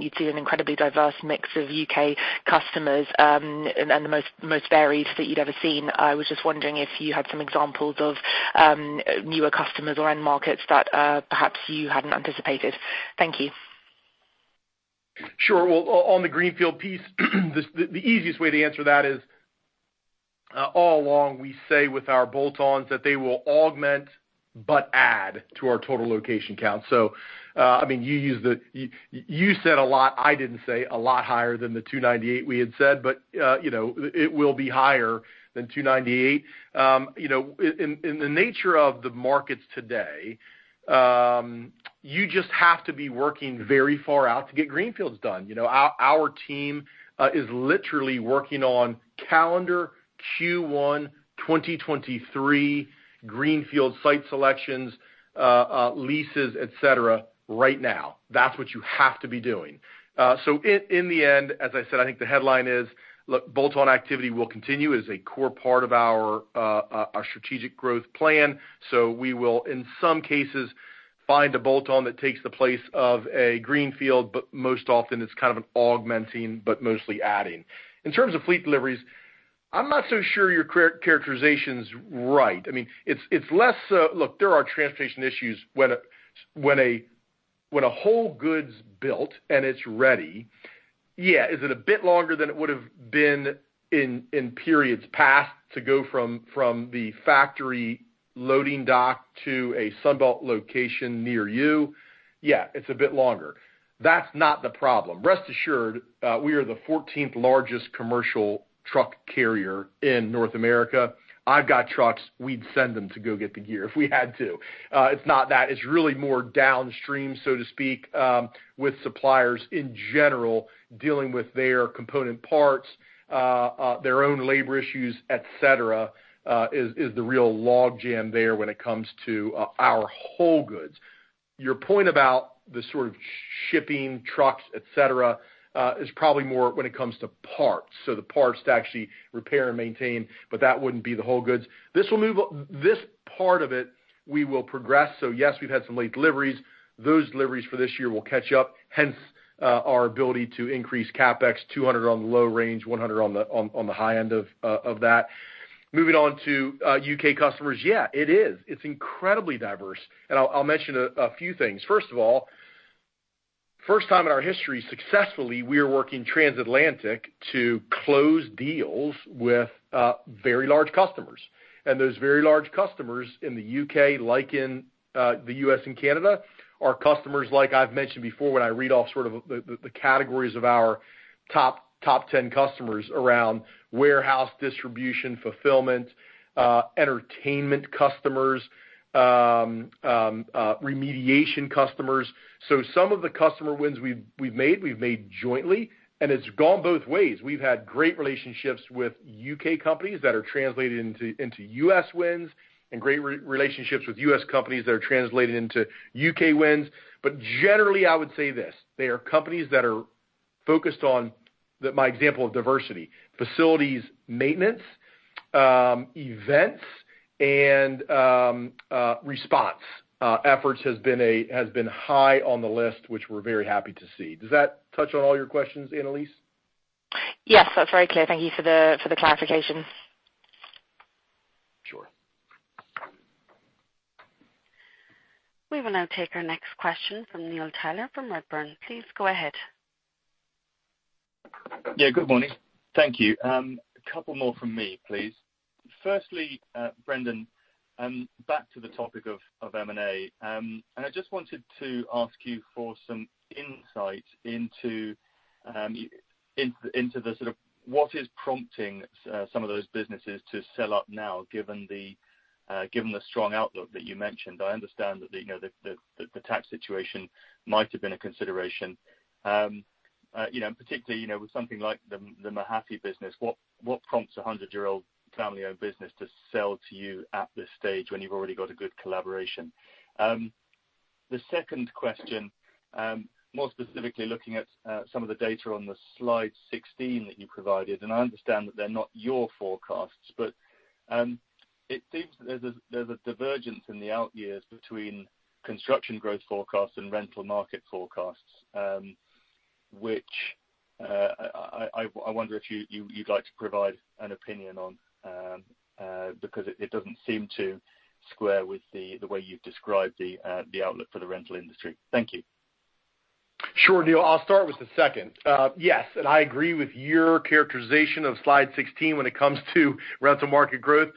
you'd seen an incredibly diverse mix of U.K. customers, and the most varied that you'd ever seen. I was just wondering if you had some examples of newer customers or end markets that perhaps you hadn't anticipated. Thank you. Sure. Well, on the greenfield piece, the easiest way to answer that is, all along we say with our bolt-ons that they will augment but add to our total location count. I mean, you said a lot, I didn't say a lot higher than the 298 we had said, but you know, it will be higher than 298. You know, in the nature of the markets today, you just have to be working very far out to get greenfields done. You know, our team is literally working on calendar Q1, 2023 greenfield site selections, leases, et cetera, right now. That's what you have to be doing. In the end, as I said, I think the headline is, look, bolt-on activity will continue. It is a core part of our strategic growth plan. We will in some cases find a bolt-on that takes the place of a greenfield, but most often it's kind of an augmenting, but mostly adding. In terms of fleet deliveries, I'm not so sure your characterization's right. I mean, it's less. Look, there are transportation issues when a whole goods built and it's ready. Yeah, is it a bit longer than it would have been in periods past to go from the factory loading dock to a Sunbelt location near you? Yeah, it's a bit longer. That's not the problem. Rest assured, we are the 14th largest commercial truck carrier in North America. I've got trucks. We'd send them to go get the gear if we had to. It's not that. It's really more downstream, so to speak, with suppliers in general, dealing with their component parts, their own labor issues, et cetera, is the real log jam there when it comes to our whole goods. Your point about the sort of shipping trucks, et cetera, is probably more when it comes to parts. The parts to actually repair and maintain, but that wouldn't be the whole goods. This part of it, we will progress. Yes, we've had some late deliveries. Those deliveries for this year will catch up, hence our ability to increase CapEx $200 million on the low range, $100 million on the high end of that. Moving on to U.K. customers, yeah, it is. It's incredibly diverse. I'll mention a few things. First of all, first time in our history successfully, we are working transatlantic to close deals with very large customers. Those very large customers in the U.K., like in the U.S. and Canada, are customers like I've mentioned before when I read off sort of the categories of our top ten customers around warehouse distribution, fulfillment, entertainment customers, remediation customers. Some of the customer wins we've made jointly, and it's gone both ways. We've had great relationships with U.K. companies that are translated into U.S. wins, and great relationships with U.S. companies that are translated into U.K. wins. Generally, I would say this, they are companies that are focused on the my example of diversity, facilities maintenance, events, and response efforts has been high on the list, which we're very happy to see. Does that touch on all your questions, Annelies? Yes. That's very clear. Thank you for the clarification. Sure. We will now take our next question from Neil Tyler from Redburn. Please go ahead. Yeah, good morning. Thank you. A couple more from me, please. Firstly, Brendan, back to the topic of M&A. I just wanted to ask you for some insight into the sort of what is prompting some of those businesses to sell up now, given the strong outlook that you mentioned. I understand that, you know, the tax situation might have been a consideration. You know, particularly, you know, with something like the Mahaffey business, what prompts a hundred-year-old family-owned business to sell to you at this stage when you've already got a good collaboration? The second question, more specifically looking at some of the data on the slide 16 that you provided, and I understand that they're not your forecasts, but it seems that there's a divergence in the out years between construction growth forecasts and rental market forecasts, which I wonder if you'd like to provide an opinion on, because it doesn't seem to square with the way you've described the outlook for the rental industry. Thank you. Sure, Neil. I'll start with the second. Yes, I agree with your characterization of slide 16 when it comes to rental market growth.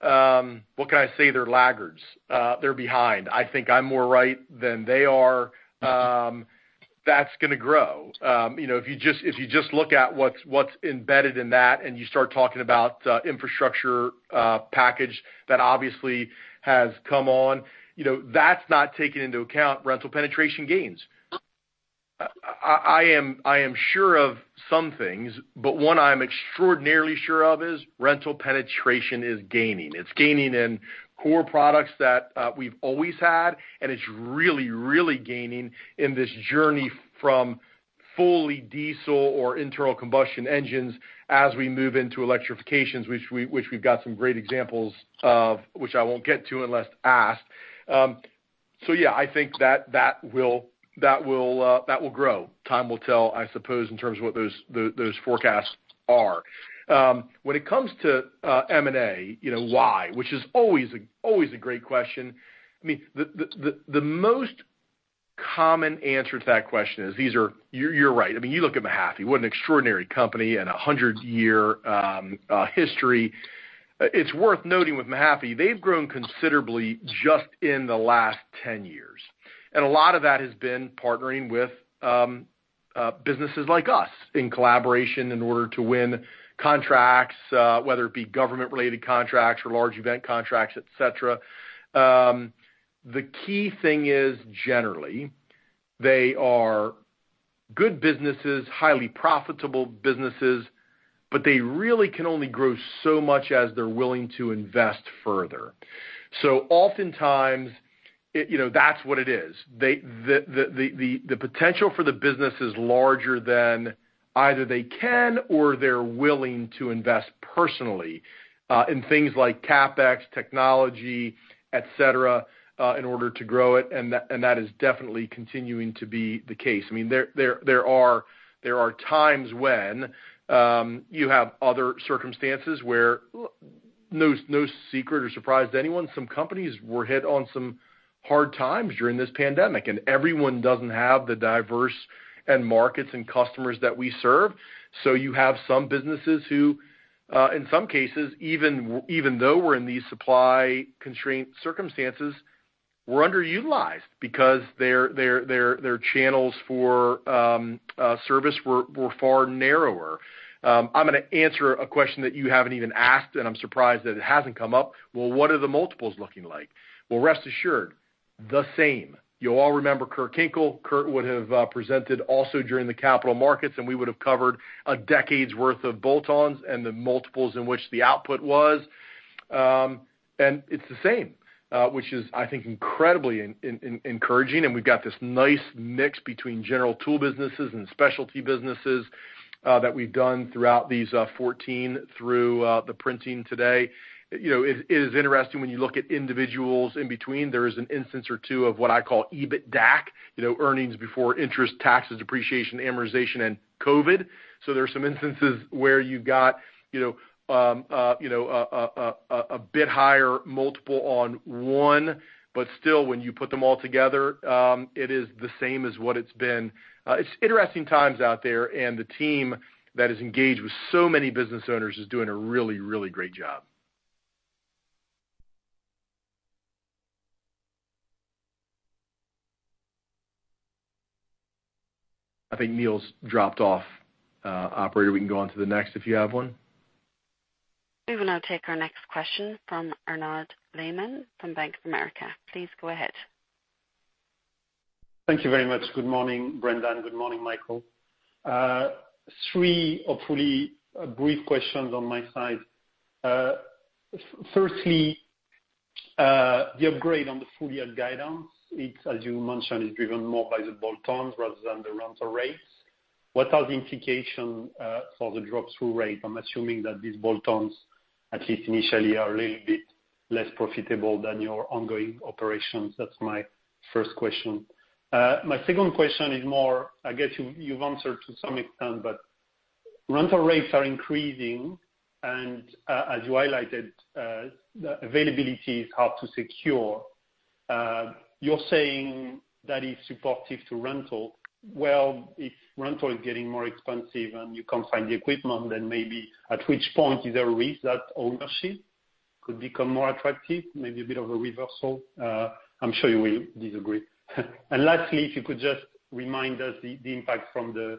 What can I say? They're laggards. They're behind. I think I'm more right than they are. That's gonna grow. You know, if you just look at what's embedded in that, and you start talking about the infrastructure package that obviously has come on, you know, that's not taking into account rental penetration gains. I am sure of some things, but one I'm extraordinarily sure of is rental penetration is gaining. It's gaining in core products that we've always had, and it's really, really gaining in this journey from fully diesel or internal combustion engines as we move into electrifications, which we've got some great examples of, which I won't get to unless asked. Yeah, I think that will grow. Time will tell, I suppose, in terms of what those forecasts are. When it comes to M&A, you know, why? Which is always a great question. I mean, the most common answer to that question is these are. You're right. I mean, you look at Mahaffey, what an extraordinary company and a 100-year history. It's worth noting with Mahaffey, they've grown considerably just in the last 10 years. A lot of that has been partnering with businesses like us in collaboration in order to win contracts, whether it be government-related contracts or large event contracts, et cetera. The key thing is generally they are good businesses, highly profitable businesses, but they really can only grow so much as they're willing to invest further. Oftentimes, it, you know, that's what it is. The potential for the business is larger than either they can or they're willing to invest personally in things like CapEx, technology, et cetera, in order to grow it, and that is definitely continuing to be the case. I mean, there are times when you have other circumstances where no secret or surprise to anyone, some companies were hit on some hard times during this pandemic, and everyone doesn't have the diverse end markets and customers that we serve. So you have some businesses who, in some cases, even though we're in these supply-constrained circumstances, we're underutilized because their channels for service were far narrower. I'm gonna answer a question that you haven't even asked, and I'm surprised that it hasn't come up. Well, what are the multiples looking like? Well, rest assured, the same. You all remember Kurt Kenkel. Kurt would have presented also during the Capital Markets, and we would have covered a decade's worth of bolt-ons and the multiples in which the output was. It's the same, which is, I think, incredibly encouraging. We've got this nice mix between general tool businesses and specialty businesses that we've done throughout these 14 through the present day. You know, it is interesting when you look at individuals in between. There is an instance or two of what I call EBITDAC, you know, earnings before interest, taxes, depreciation, amortization, and COVID. So there are some instances where you've got, you know, a bit higher multiple on one, but still, when you put them all together, it is the same as what it's been. It's interesting times out there and the team that is engaged with so many business owners is doing a really great job. I think Neil's dropped off. Operator, we can go on to the next if you have one. We will now take our next question from Arnaud Lehmann from Bank of America. Please go ahead. Thank you very much. Good morning, Brendan. Good morning, Michael. Three hopefully brief questions on my side. Firstly, the upgrade on the full year guidance, it's, as you mentioned, is driven more by the bolt-ons rather than the rental rates. What are the implications for the drop-through rate? I'm assuming that these bolt-ons, at least initially, are a little bit less profitable than your ongoing operations. That's my first question. My second question is more, I guess you've answered to some extent, but rental rates are increasing and, as you highlighted, the availability is hard to secure. You're saying that is supportive to rental. Well, if rental is getting more expensive and you can't find the equipment, then maybe at which point is there a risk that ownership could become more attractive? Maybe a bit of a reversal? I'm sure you will disagree. Lastly, if you could just remind us the impact from the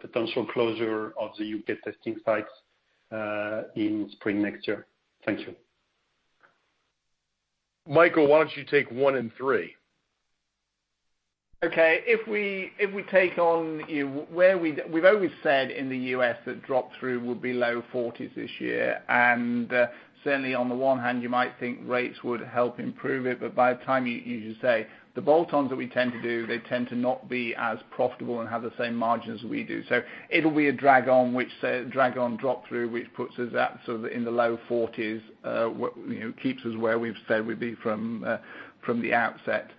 potential closure of the U.K. testing sites in spring next year? Thank you. Michael, why don't you take one and three? Okay. If we take on where we've always said in the U.S. that drop-through will be low 40s this year. Certainly on the one hand, you might think rates would help improve it, but by the time you say the bolt-ons that we tend to do, they tend to not be as profitable and have the same margins we do. It'll be a drag on drop-through, which puts us at sort of in the low 40s, keeps us where we've said we'd be from the outset.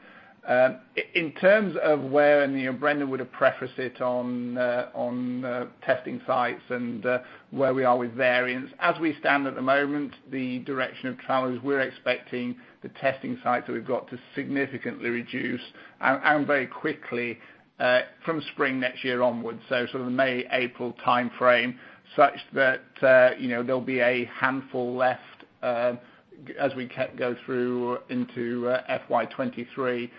In terms of where Brendan would have prefaced it on testing sites and where we are with variants. As we stand at the moment, the direction of travel is we're expecting the testing sites that we've got to significantly reduce and very quickly from spring next year onwards. Sort of May, April timeframe, such that you know, there'll be a handful left as we go through into FY 2023.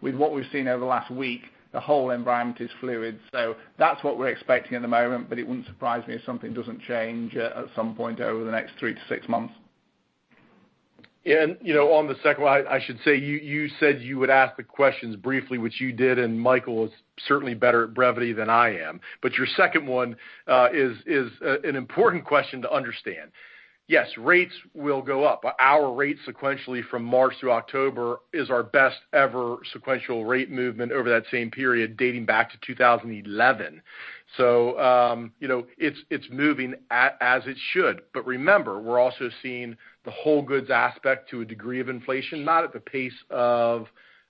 With what we've seen over the last week, the whole environment is fluid. That's what we're expecting at the moment. It wouldn't surprise me if something doesn't change at some point over the next three to six months. You know, on the second one, I should say, you said you would ask the questions briefly, which you did, and Michael is certainly better at brevity than I am. Your second one is an important question to understand. Yes, rates will go up. Our rate sequentially from March through October is our best ever sequential rate movement over that same period dating back to 2011. You know, it's moving as it should. Remember, we're also seeing the whole goods aspect to a degree of inflation, not at the pace of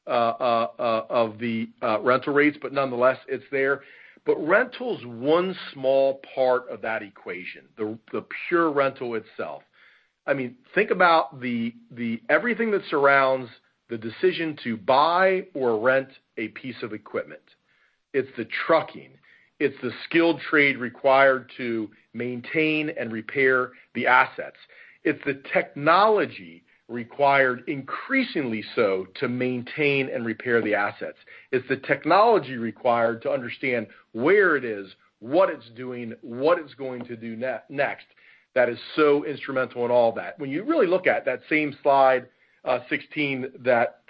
the rental rates, but nonetheless, it's there. Rental is one small part of that equation, the pure rental itself. I mean, think about the everything that surrounds the decision to buy or rent a piece of equipment. It's the trucking. It's the skilled trade required to maintain and repair the assets. It's the technology required increasingly so to maintain and repair the assets. It's the technology required to understand where it is, what it's doing, what it's going to do next that is so instrumental in all that. When you really look at that same slide, 16 that,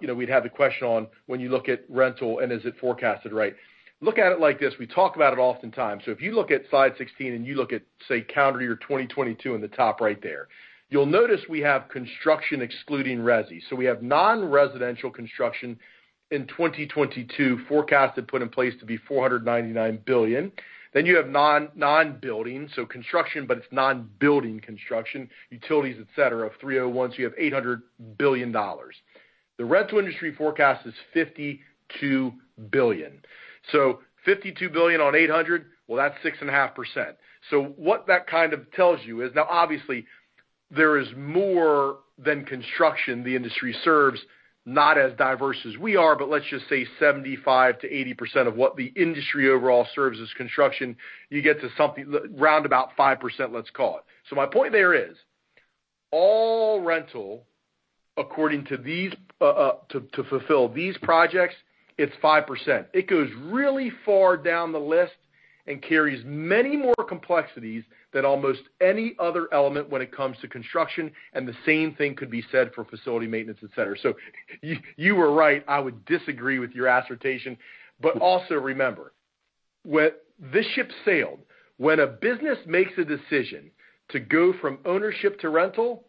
you know, we'd have the question on when you look at rental and is it forecasted right? Look at it like this. We talk about it oftentimes. If you look at slide 16 and you look at, say, calendar year 2022 in the top right there, you'll notice we have construction excluding resi. We have non-residential construction in 2022 forecasted put in place to be $499 billion. Then you have non-building. Construction, but it's non-building construction, utilities, et cetera, of 301. You have $800 billion. The rental industry forecast is $52 billion. $52 billion on 800, well, that's 6.5%. What that kind of tells you is now obviously there is more than construction the industry serves, not as diverse as we are, but let's just say 75%-80% of what the industry overall serves as construction, you get to something round about 5%, let's call it. My point there is all rental, according to these, to fulfill these projects, it's 5%. It goes really far down the list and carries many more complexities than almost any other element when it comes to construction. The same thing could be said for facility maintenance, et cetera. You were right. I would disagree with your assertion. Also remember this ship sailed. When a business makes a decision to go from ownership to rental,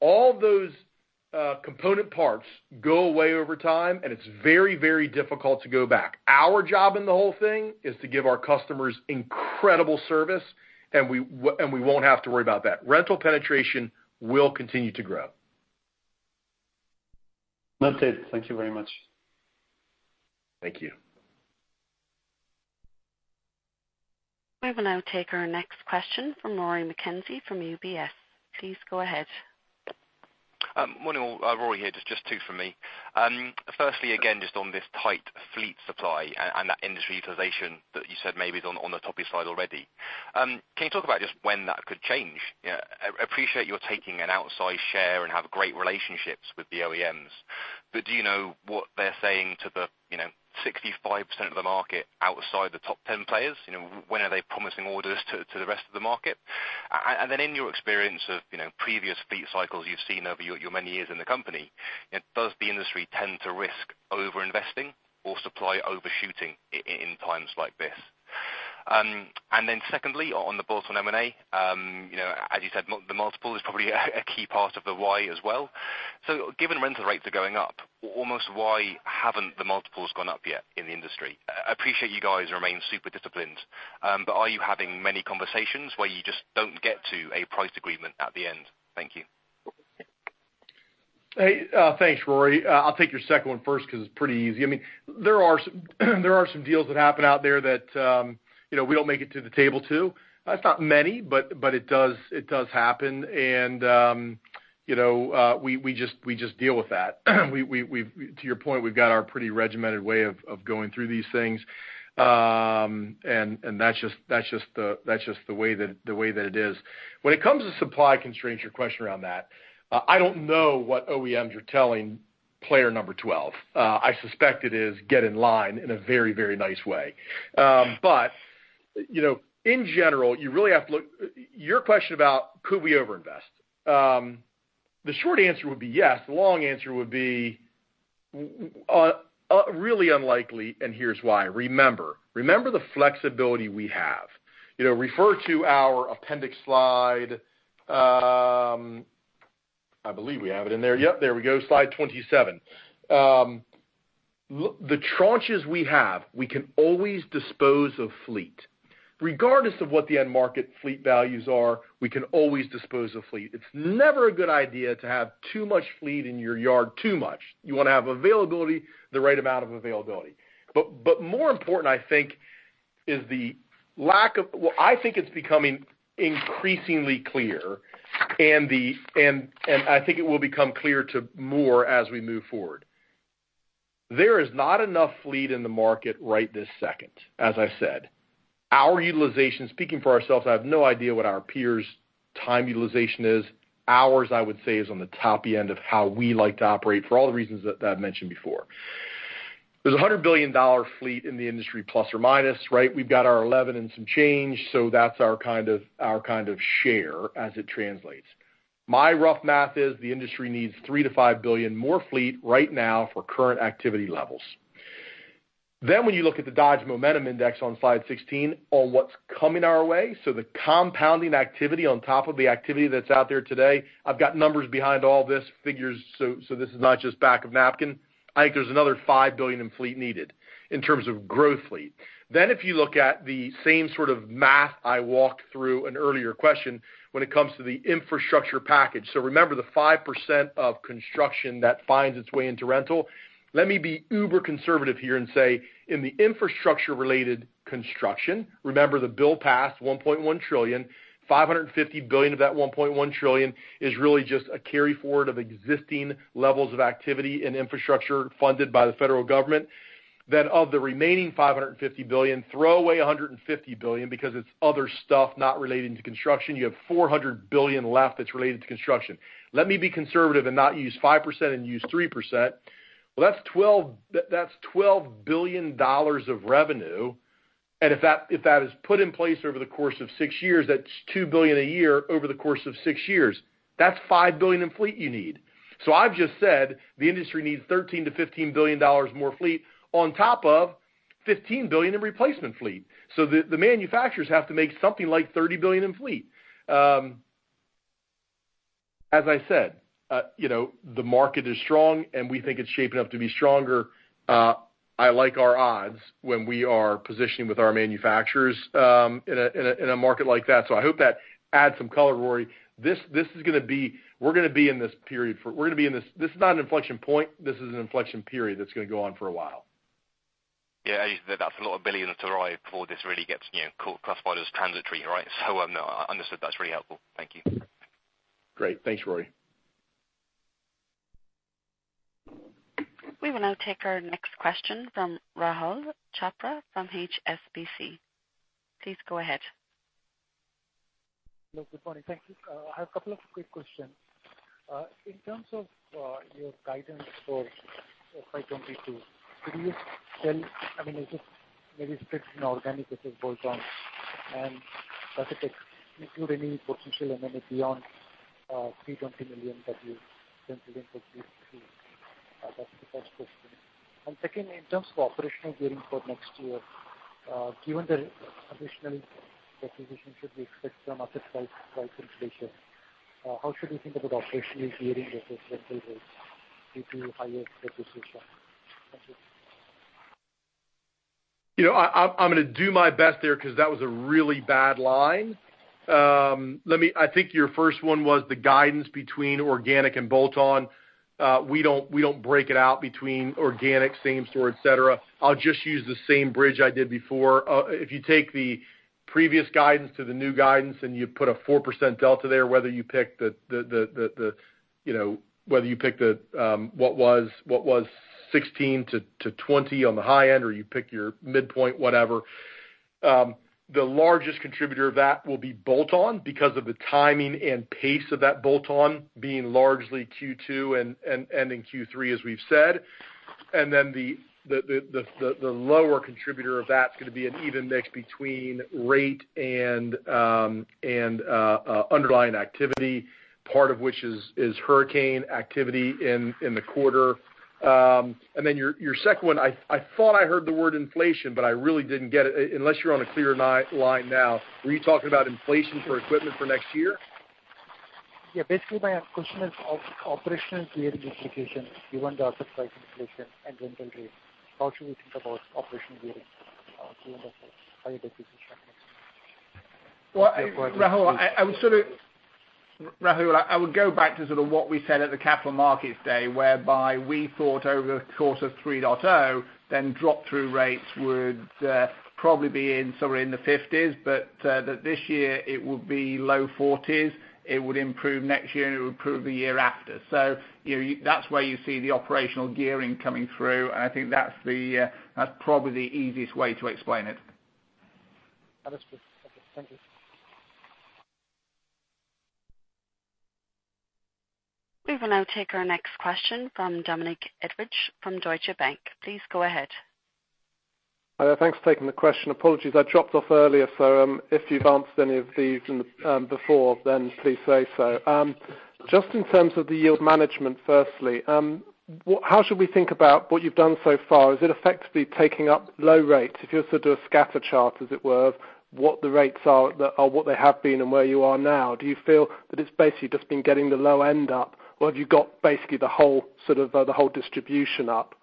all those component parts go away over time, and it's very, very difficult to go back. Our job in the whole thing is to give our customers incredible service, and we won't have to worry about that. Rental penetration will continue to grow. Noted. Thank you very much. Thank you. We will now take our next question from Rory McKenzie from UBS. Please go ahead. Morning all. Rory here. Just two from me. Firstly, again, just on this tight fleet supply and that industry utilization that you said maybe is on the top of your slide already. Can you talk about just when that could change? Appreciate you're taking an outsized share and have great relationships with the OEMs. But do you know what they're saying to the, you know, 65% of the market outside the top 10 players? You know, when are they promising orders to the rest of the market? And then in your experience of, you know, previous fleet cycles you've seen over your many years in the company, does the industry tend to risk over-investing or supply overshooting in times like this? Secondly, on the bolt-on M&A, you know, as you said, the multiple is probably a key part of the why as well. Given rental rates are going up, almost why haven't the multiples gone up yet in the industry? I appreciate you guys remain super disciplined, but are you having many conversations where you just don't get to a price agreement at the end? Thank you. Hey, thanks, Rory. I'll take your second one first because it's pretty easy. I mean, there are some deals that happen out there that, you know, we don't make it to the table to. It's not many, but it does happen. We just deal with that. To your point, we've got our pretty regimented way of going through these things. That's just the way that it is. When it comes to supply constraints, your question around that, I don't know what OEMs are telling player number 12. I suspect it is get in line in a very, very nice way. You know, in general, you really have to look. Your question about could we over-invest? The short answer would be yes. The long answer would be really unlikely, and here's why. Remember the flexibility we have. You know, refer to our appendix slide. I believe we have it in there. Slide 27. Look, the tranches we have, we can always dispose of fleet. Regardless of what the end market fleet values are, we can always dispose of fleet. It's never a good idea to have too much fleet in your yard. You wanna have availability, the right amount of availability. But more important, I think, is the lack of. Well, I think it's becoming increasingly clear, and I think it will become clear to more as we move forward. There is not enough fleet in the market right this second, as I said. Our utilization, speaking for ourselves, I have no idea what our peers' time utilization is. Ours, I would say is on the top end of how we like to operate for all the reasons that I've mentioned before. There's a $100 billion fleet in the industry, plus or minus, right? We've got our 11 and some change, so that's our kind of share as it translates. My rough math is the industry needs $3 billion-$5 billion more fleet right now for current activity levels. When you look at the Dodge Momentum Index on slide 16 on what's coming our way, so the compounding activity on top of the activity that's out there today, I've got numbers behind all these figures, so this is not just back of napkin. I think there's another $5 billion in fleet needed in terms of growth fleet. If you look at the same sort of math I walked through an earlier question when it comes to the infrastructure package. Remember, the 5% of construction that finds its way into rental. Let me be uber conservative here and say, in the infrastructure-related construction, remember the bill passed $1.1 trillion, $550 billion of that $1.1 trillion is really just a carry forward of existing levels of activity and infrastructure funded by the federal government. Of the remaining $550 billion, throw away $150 billion because it's other stuff not relating to construction. You have $400 billion left that's related to construction. Let me be conservative and not use 5% and use 3%. Well, that's $12 billion of revenue, and if that is put in place over the course of six years, that's $2 billion a year over the course of six years. That's $5 billion in fleet you need. I've just said the industry needs $13 billion-$15 billion more fleet on top of $15 billion in replacement fleet. The manufacturers have to make something like $30 billion in fleet. You know, the market is strong, and we think it's shaping up to be stronger. I like our odds when we are positioning with our manufacturers, in a market like that. I hope that adds some color, Rory. This is gonna be. We're gonna be in this period. This is not an inflection point. This is an inflection period that's gonna go on for a while. Yeah, that's a lot of billions to arrive before this really gets, you know, classified as transitory, right? No, understood. That's really helpful. Thank you. Great. Thanks, Rory. We will now take our next question from Rahul Chopra from HSBC. Please go ahead. Hello, good morning. Thank you. I have a couple of quick questions. In terms of your guidance for 2022, could you tell, I mean, I guess maybe split in organic versus bolt-on? Does it exclude any potential M&A beyond $320 million that you mentioned in 53? That's the first question. Second, in terms of operational gearing for next year, given the additional depreciation, should we expect some asset price inflation? How should we think about operational gearing versus rental rates due to higher depreciation? Thank you. You know, I'm gonna do my best there 'cause that was a really bad line. Let me. I think your first one was the guidance between organic and bolt-on. We don't break it out between organic, same store, et cetera. I'll just use the same bridge I did before. If you take the previous guidance to the new guidance and you put a 4% delta there, whether you pick the, you know, whether you pick the what was 16 to 20 on the high end, or you pick your midpoint, whatever, the largest contributor of that will be bolt-on because of the timing and pace of that bolt-on being largely Q2 and ending Q3, as we've said. The lower contributor of that's gonna be an even mix between rate and underlying activity, part of which is hurricane activity in the quarter. Your second one, I thought I heard the word inflation, but I really didn't get it unless you're on a clear line now. Were you talking about inflation for equipment for next year? Yeah. Basically, my question is of operational gearing implications given the asset price inflation and rental rates. How should we think about operational gearing, given the higher depreciation? Well, Rahul, I would go back to sort of what we said at the Capital Markets Day, whereby we thought over the course of 3.0, drop-through rates would probably be somewhere in the 50s, but that this year it would be low 40s. It would improve next year, and it would improve the year after. You know, that's where you see the operational gearing coming through, and I think that's probably the easiest way to explain it. That is good. Okay, thank you. We will now take our next question from Dominic Edridge from Deutsche Bank. Please go ahead. Thanks for taking the question. Apologies, I dropped off earlier. If you've answered any of these in the interim before then, please say so. Just in terms of the yield management firstly, how should we think about what you've done so far? Is it effectively taking up low rates? If you were to do a scatter chart as it were, what the rates are, or what they have been and where you are now, do you feel that it's basically just been getting the low end up or have you got basically the whole sort of, the whole distribution up?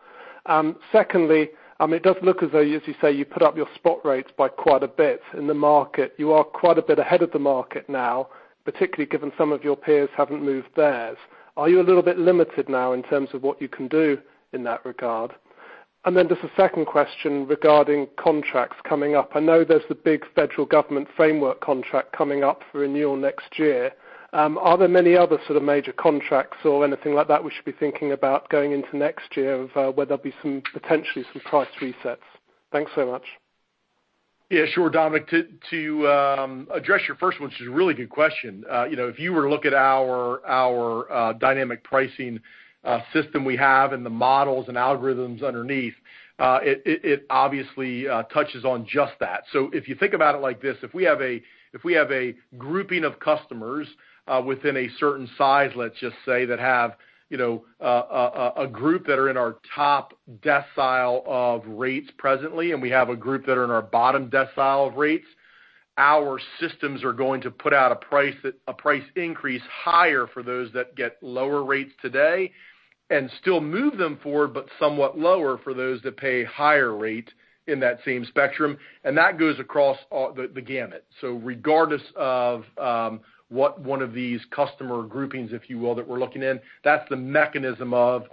Secondly, I mean, it does look as though, as you say, you put up your spot rates by quite a bit in the market. You are quite a bit ahead of the market now, particularly given some of your peers haven't moved theirs. Are you a little bit limited now in terms of what you can do in that regard? Just a second question regarding contracts coming up. I know there's the big federal government framework contract coming up for renewal next year. Are there many other sort of major contracts or anything like that we should be thinking about going into next year of, where there'll be some, potentially some price resets? Thanks so much. Yeah, sure, Dominic. Address your first one, which is a really good question. You know, if you were to look at our dynamic pricing system we have and the models and algorithms underneath, it obviously touches on just that. So if you think about it like this, if we have a grouping of customers within a certain size, let's just say, that have, you know, a group that are in our top decile of rates presently and we have a group that are in our bottom decile of rates, our systems are going to put out a price increase higher for those that get lower rates today and still move them forward, but somewhat lower for those that pay higher rate in that same spectrum. That goes across all the gamut. Regardless of what one of these customer groupings, if you will, that we're looking in, that's the mechanism of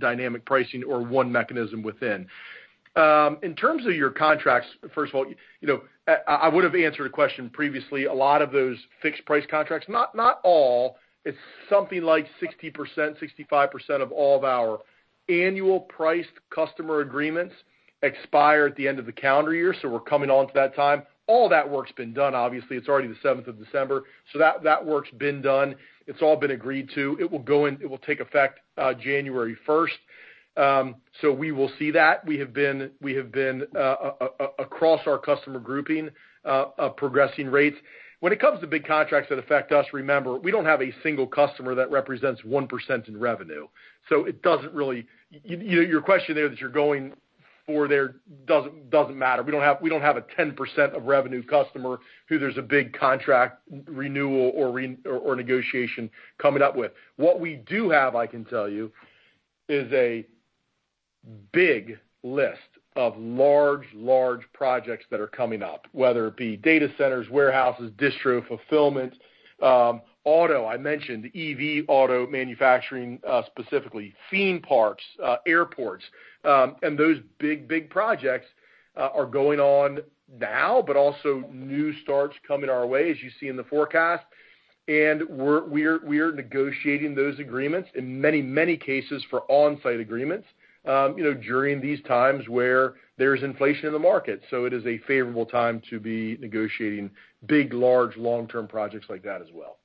dynamic pricing or one mechanism within. In terms of your contracts, first of all, you know, I would have answered a question previously. A lot of those fixed price contracts, not all, it's something like 60%-65% of all of our annual priced customer agreements expire at the end of the calendar year, so we're coming onto that time. All that work's been done, obviously. It's already the seventh of December, so that work's been done. It's all been agreed to. It will go in, it will take effect January first. We will see that. We have been across our customer grouping progressing rates. When it comes to big contracts that affect us, remember, we don't have a single customer that represents 1% in revenue, so it doesn't really, you know, your question there that you're going for there doesn't matter. We don't have a 10% of revenue customer where there's a big contract renewal or negotiation coming up with. What we do have, I can tell you, is a big list of large projects that are coming up, whether it be data centers, warehouses, distro, fulfillment, auto. I mentioned EV auto manufacturing, specifically. Theme parks, airports, and those big projects are going on now, but also new starts coming our way as you see in the forecast. We're negotiating those agreements in many, many cases for on-site agreements, you know, during these times where there's inflation in the market. It is a favorable time to be negotiating big, large long-term projects like that as well.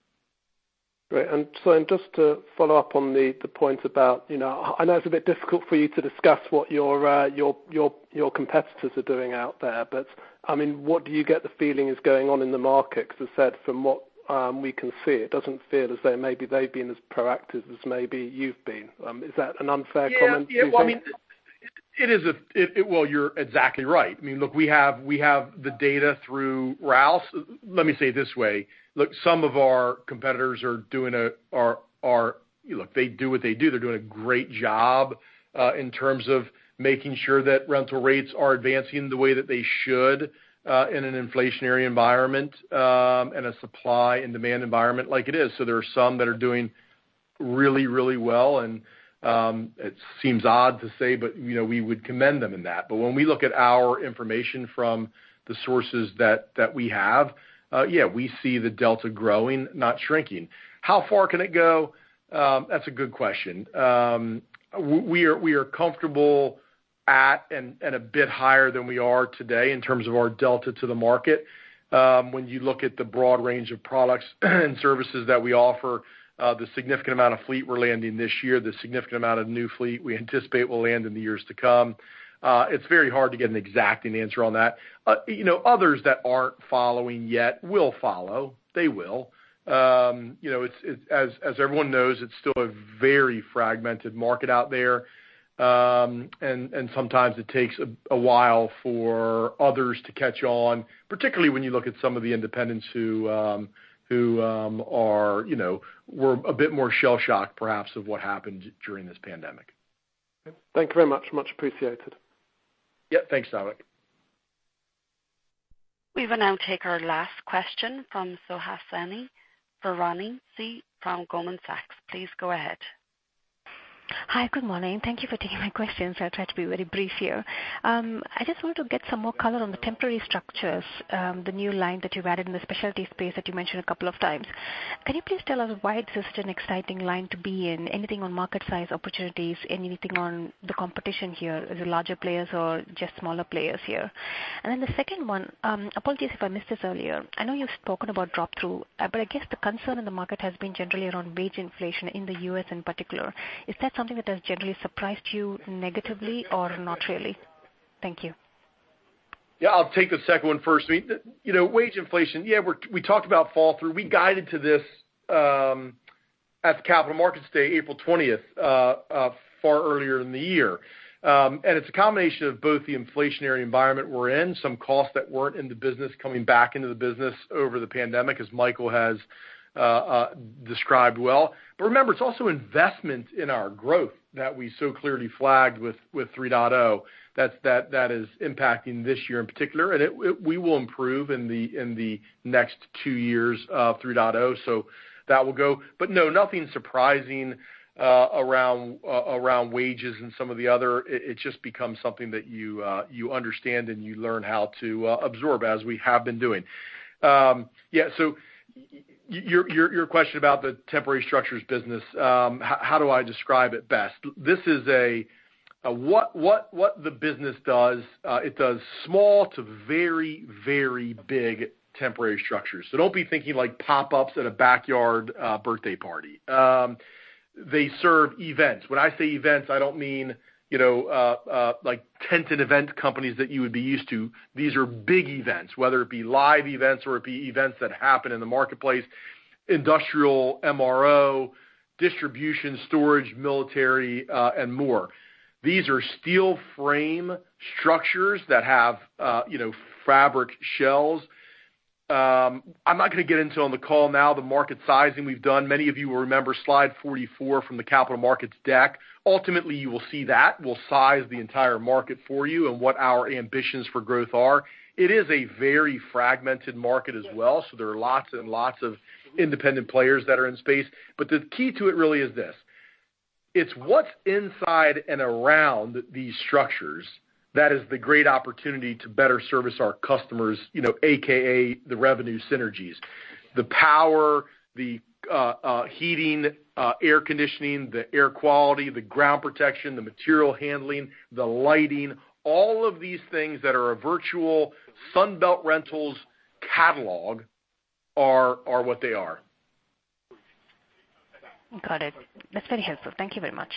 Great. Just to follow up on the point about, you know, I know it's a bit difficult for you to discuss what your competitors are doing out there, but, I mean, what do you get the feeling is going on in the market? 'Cause I said from what we can see, it doesn't feel as though maybe they've been as proactive as maybe you've been. Is that an unfair comment to make? Yeah. Yeah. Well, I mean, it is a. It. Well, you're exactly right. I mean, look, we have the data through Rouse. Let me say it this way. Look, some of our competitors are doing. Look, they do what they do. They're doing a great job in terms of making sure that rental rates are advancing the way that they should in an inflationary environment and a supply and demand environment like it is. There are some that are doing really well and it seems odd to say, but you know, we would commend them in that. When we look at our information from the sources that we have, yeah, we see the delta growing, not shrinking. How far can it go? That's a good question. We are comfortable at, and a bit higher than we are today in terms of our delta to the market. When you look at the broad range of products and services that we offer, the significant amount of fleet we're landing this year, the significant amount of new fleet we anticipate will land in the years to come, it's very hard to get an exacting answer on that. You know, others that aren't following yet will follow. They will. You know, it's, as everyone knows, it's still a very fragmented market out there. And sometimes it takes a while for others to catch on, particularly when you look at some of the independents who are, you know, were a bit more shell-shocked perhaps of what happened during this pandemic. Thank you very much. Much appreciated. Yeah. Thanks, Dominic. We will now take our last question from Suhasini Varanasi from Goldman Sachs. Please go ahead. Hi. Good morning. Thank you for taking my question. I'll try to be very brief here. I just wanted to get some more color on the temporary structures, the new line that you've added in the specialty space that you mentioned a couple of times. Can you please tell us why it's such an exciting line to be in? Anything on market size opportunities? Anything on the competition here, the larger players or just smaller players here? The second one, apologies if I missed this earlier. I know you've spoken about drop-through, but I guess the concern in the market has been generally around wage inflation in the U.S. in particular. Is that something that has generally surprised you negatively or not really? Thank you. Yeah, I'll take the second one first. You know, wage inflation. We talked about flow-through. We guided to this at the Capital Markets Day, April 20th far earlier in the year. It's a combination of both the inflationary environment we're in, some costs that weren't in the business coming back into the business over the pandemic, as Michael has described well. Remember, it's also investment in our growth that we so clearly flagged with 3.0, that is impacting this year in particular. We will improve in the next two years 3.0. That will go. No, nothing surprising around wages and some of the other. It just becomes something that you understand and you learn how to absorb, as we have been doing. Your question about the temporary structures business, how do I describe it best? This is what the business does, it does small to very big temporary structures. Don't be thinking like pop-ups at a backyard birthday party. They serve events. When I say events, I don't mean, you know, like tented event companies that you would be used to. These are big events, whether it be live events or it be events that happen in the marketplace, industrial, MRO, distribution, storage, military, and more. These are steel frame structures that have, you know, fabric shells. I'm not gonna get into on the call now the market sizing we've done. Many of you will remember slide 44 from the capital markets deck. Ultimately, you will see that. We'll size the entire market for you and what our ambitions for growth are. It is a very fragmented market as well, so there are lots and lots of independent players that are in space. But the key to it really is this: it's what's inside and around these structures that is the great opportunity to better service our customers, you know, AKA, the revenue synergies. The power, the heating, air conditioning, the air quality, the ground protection, the material handling, the lighting, all of these things that are a virtual Sunbelt Rentals catalog are what they are. Got it. That's very helpful. Thank you very much.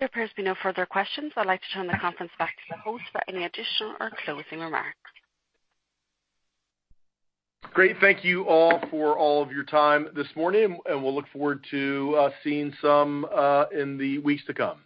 There appears to be no further questions. I'd like to turn the conference back to the host for any additional or closing remarks. Great. Thank you all for all of your time this morning, and we'll look forward to seeing some in the weeks to come.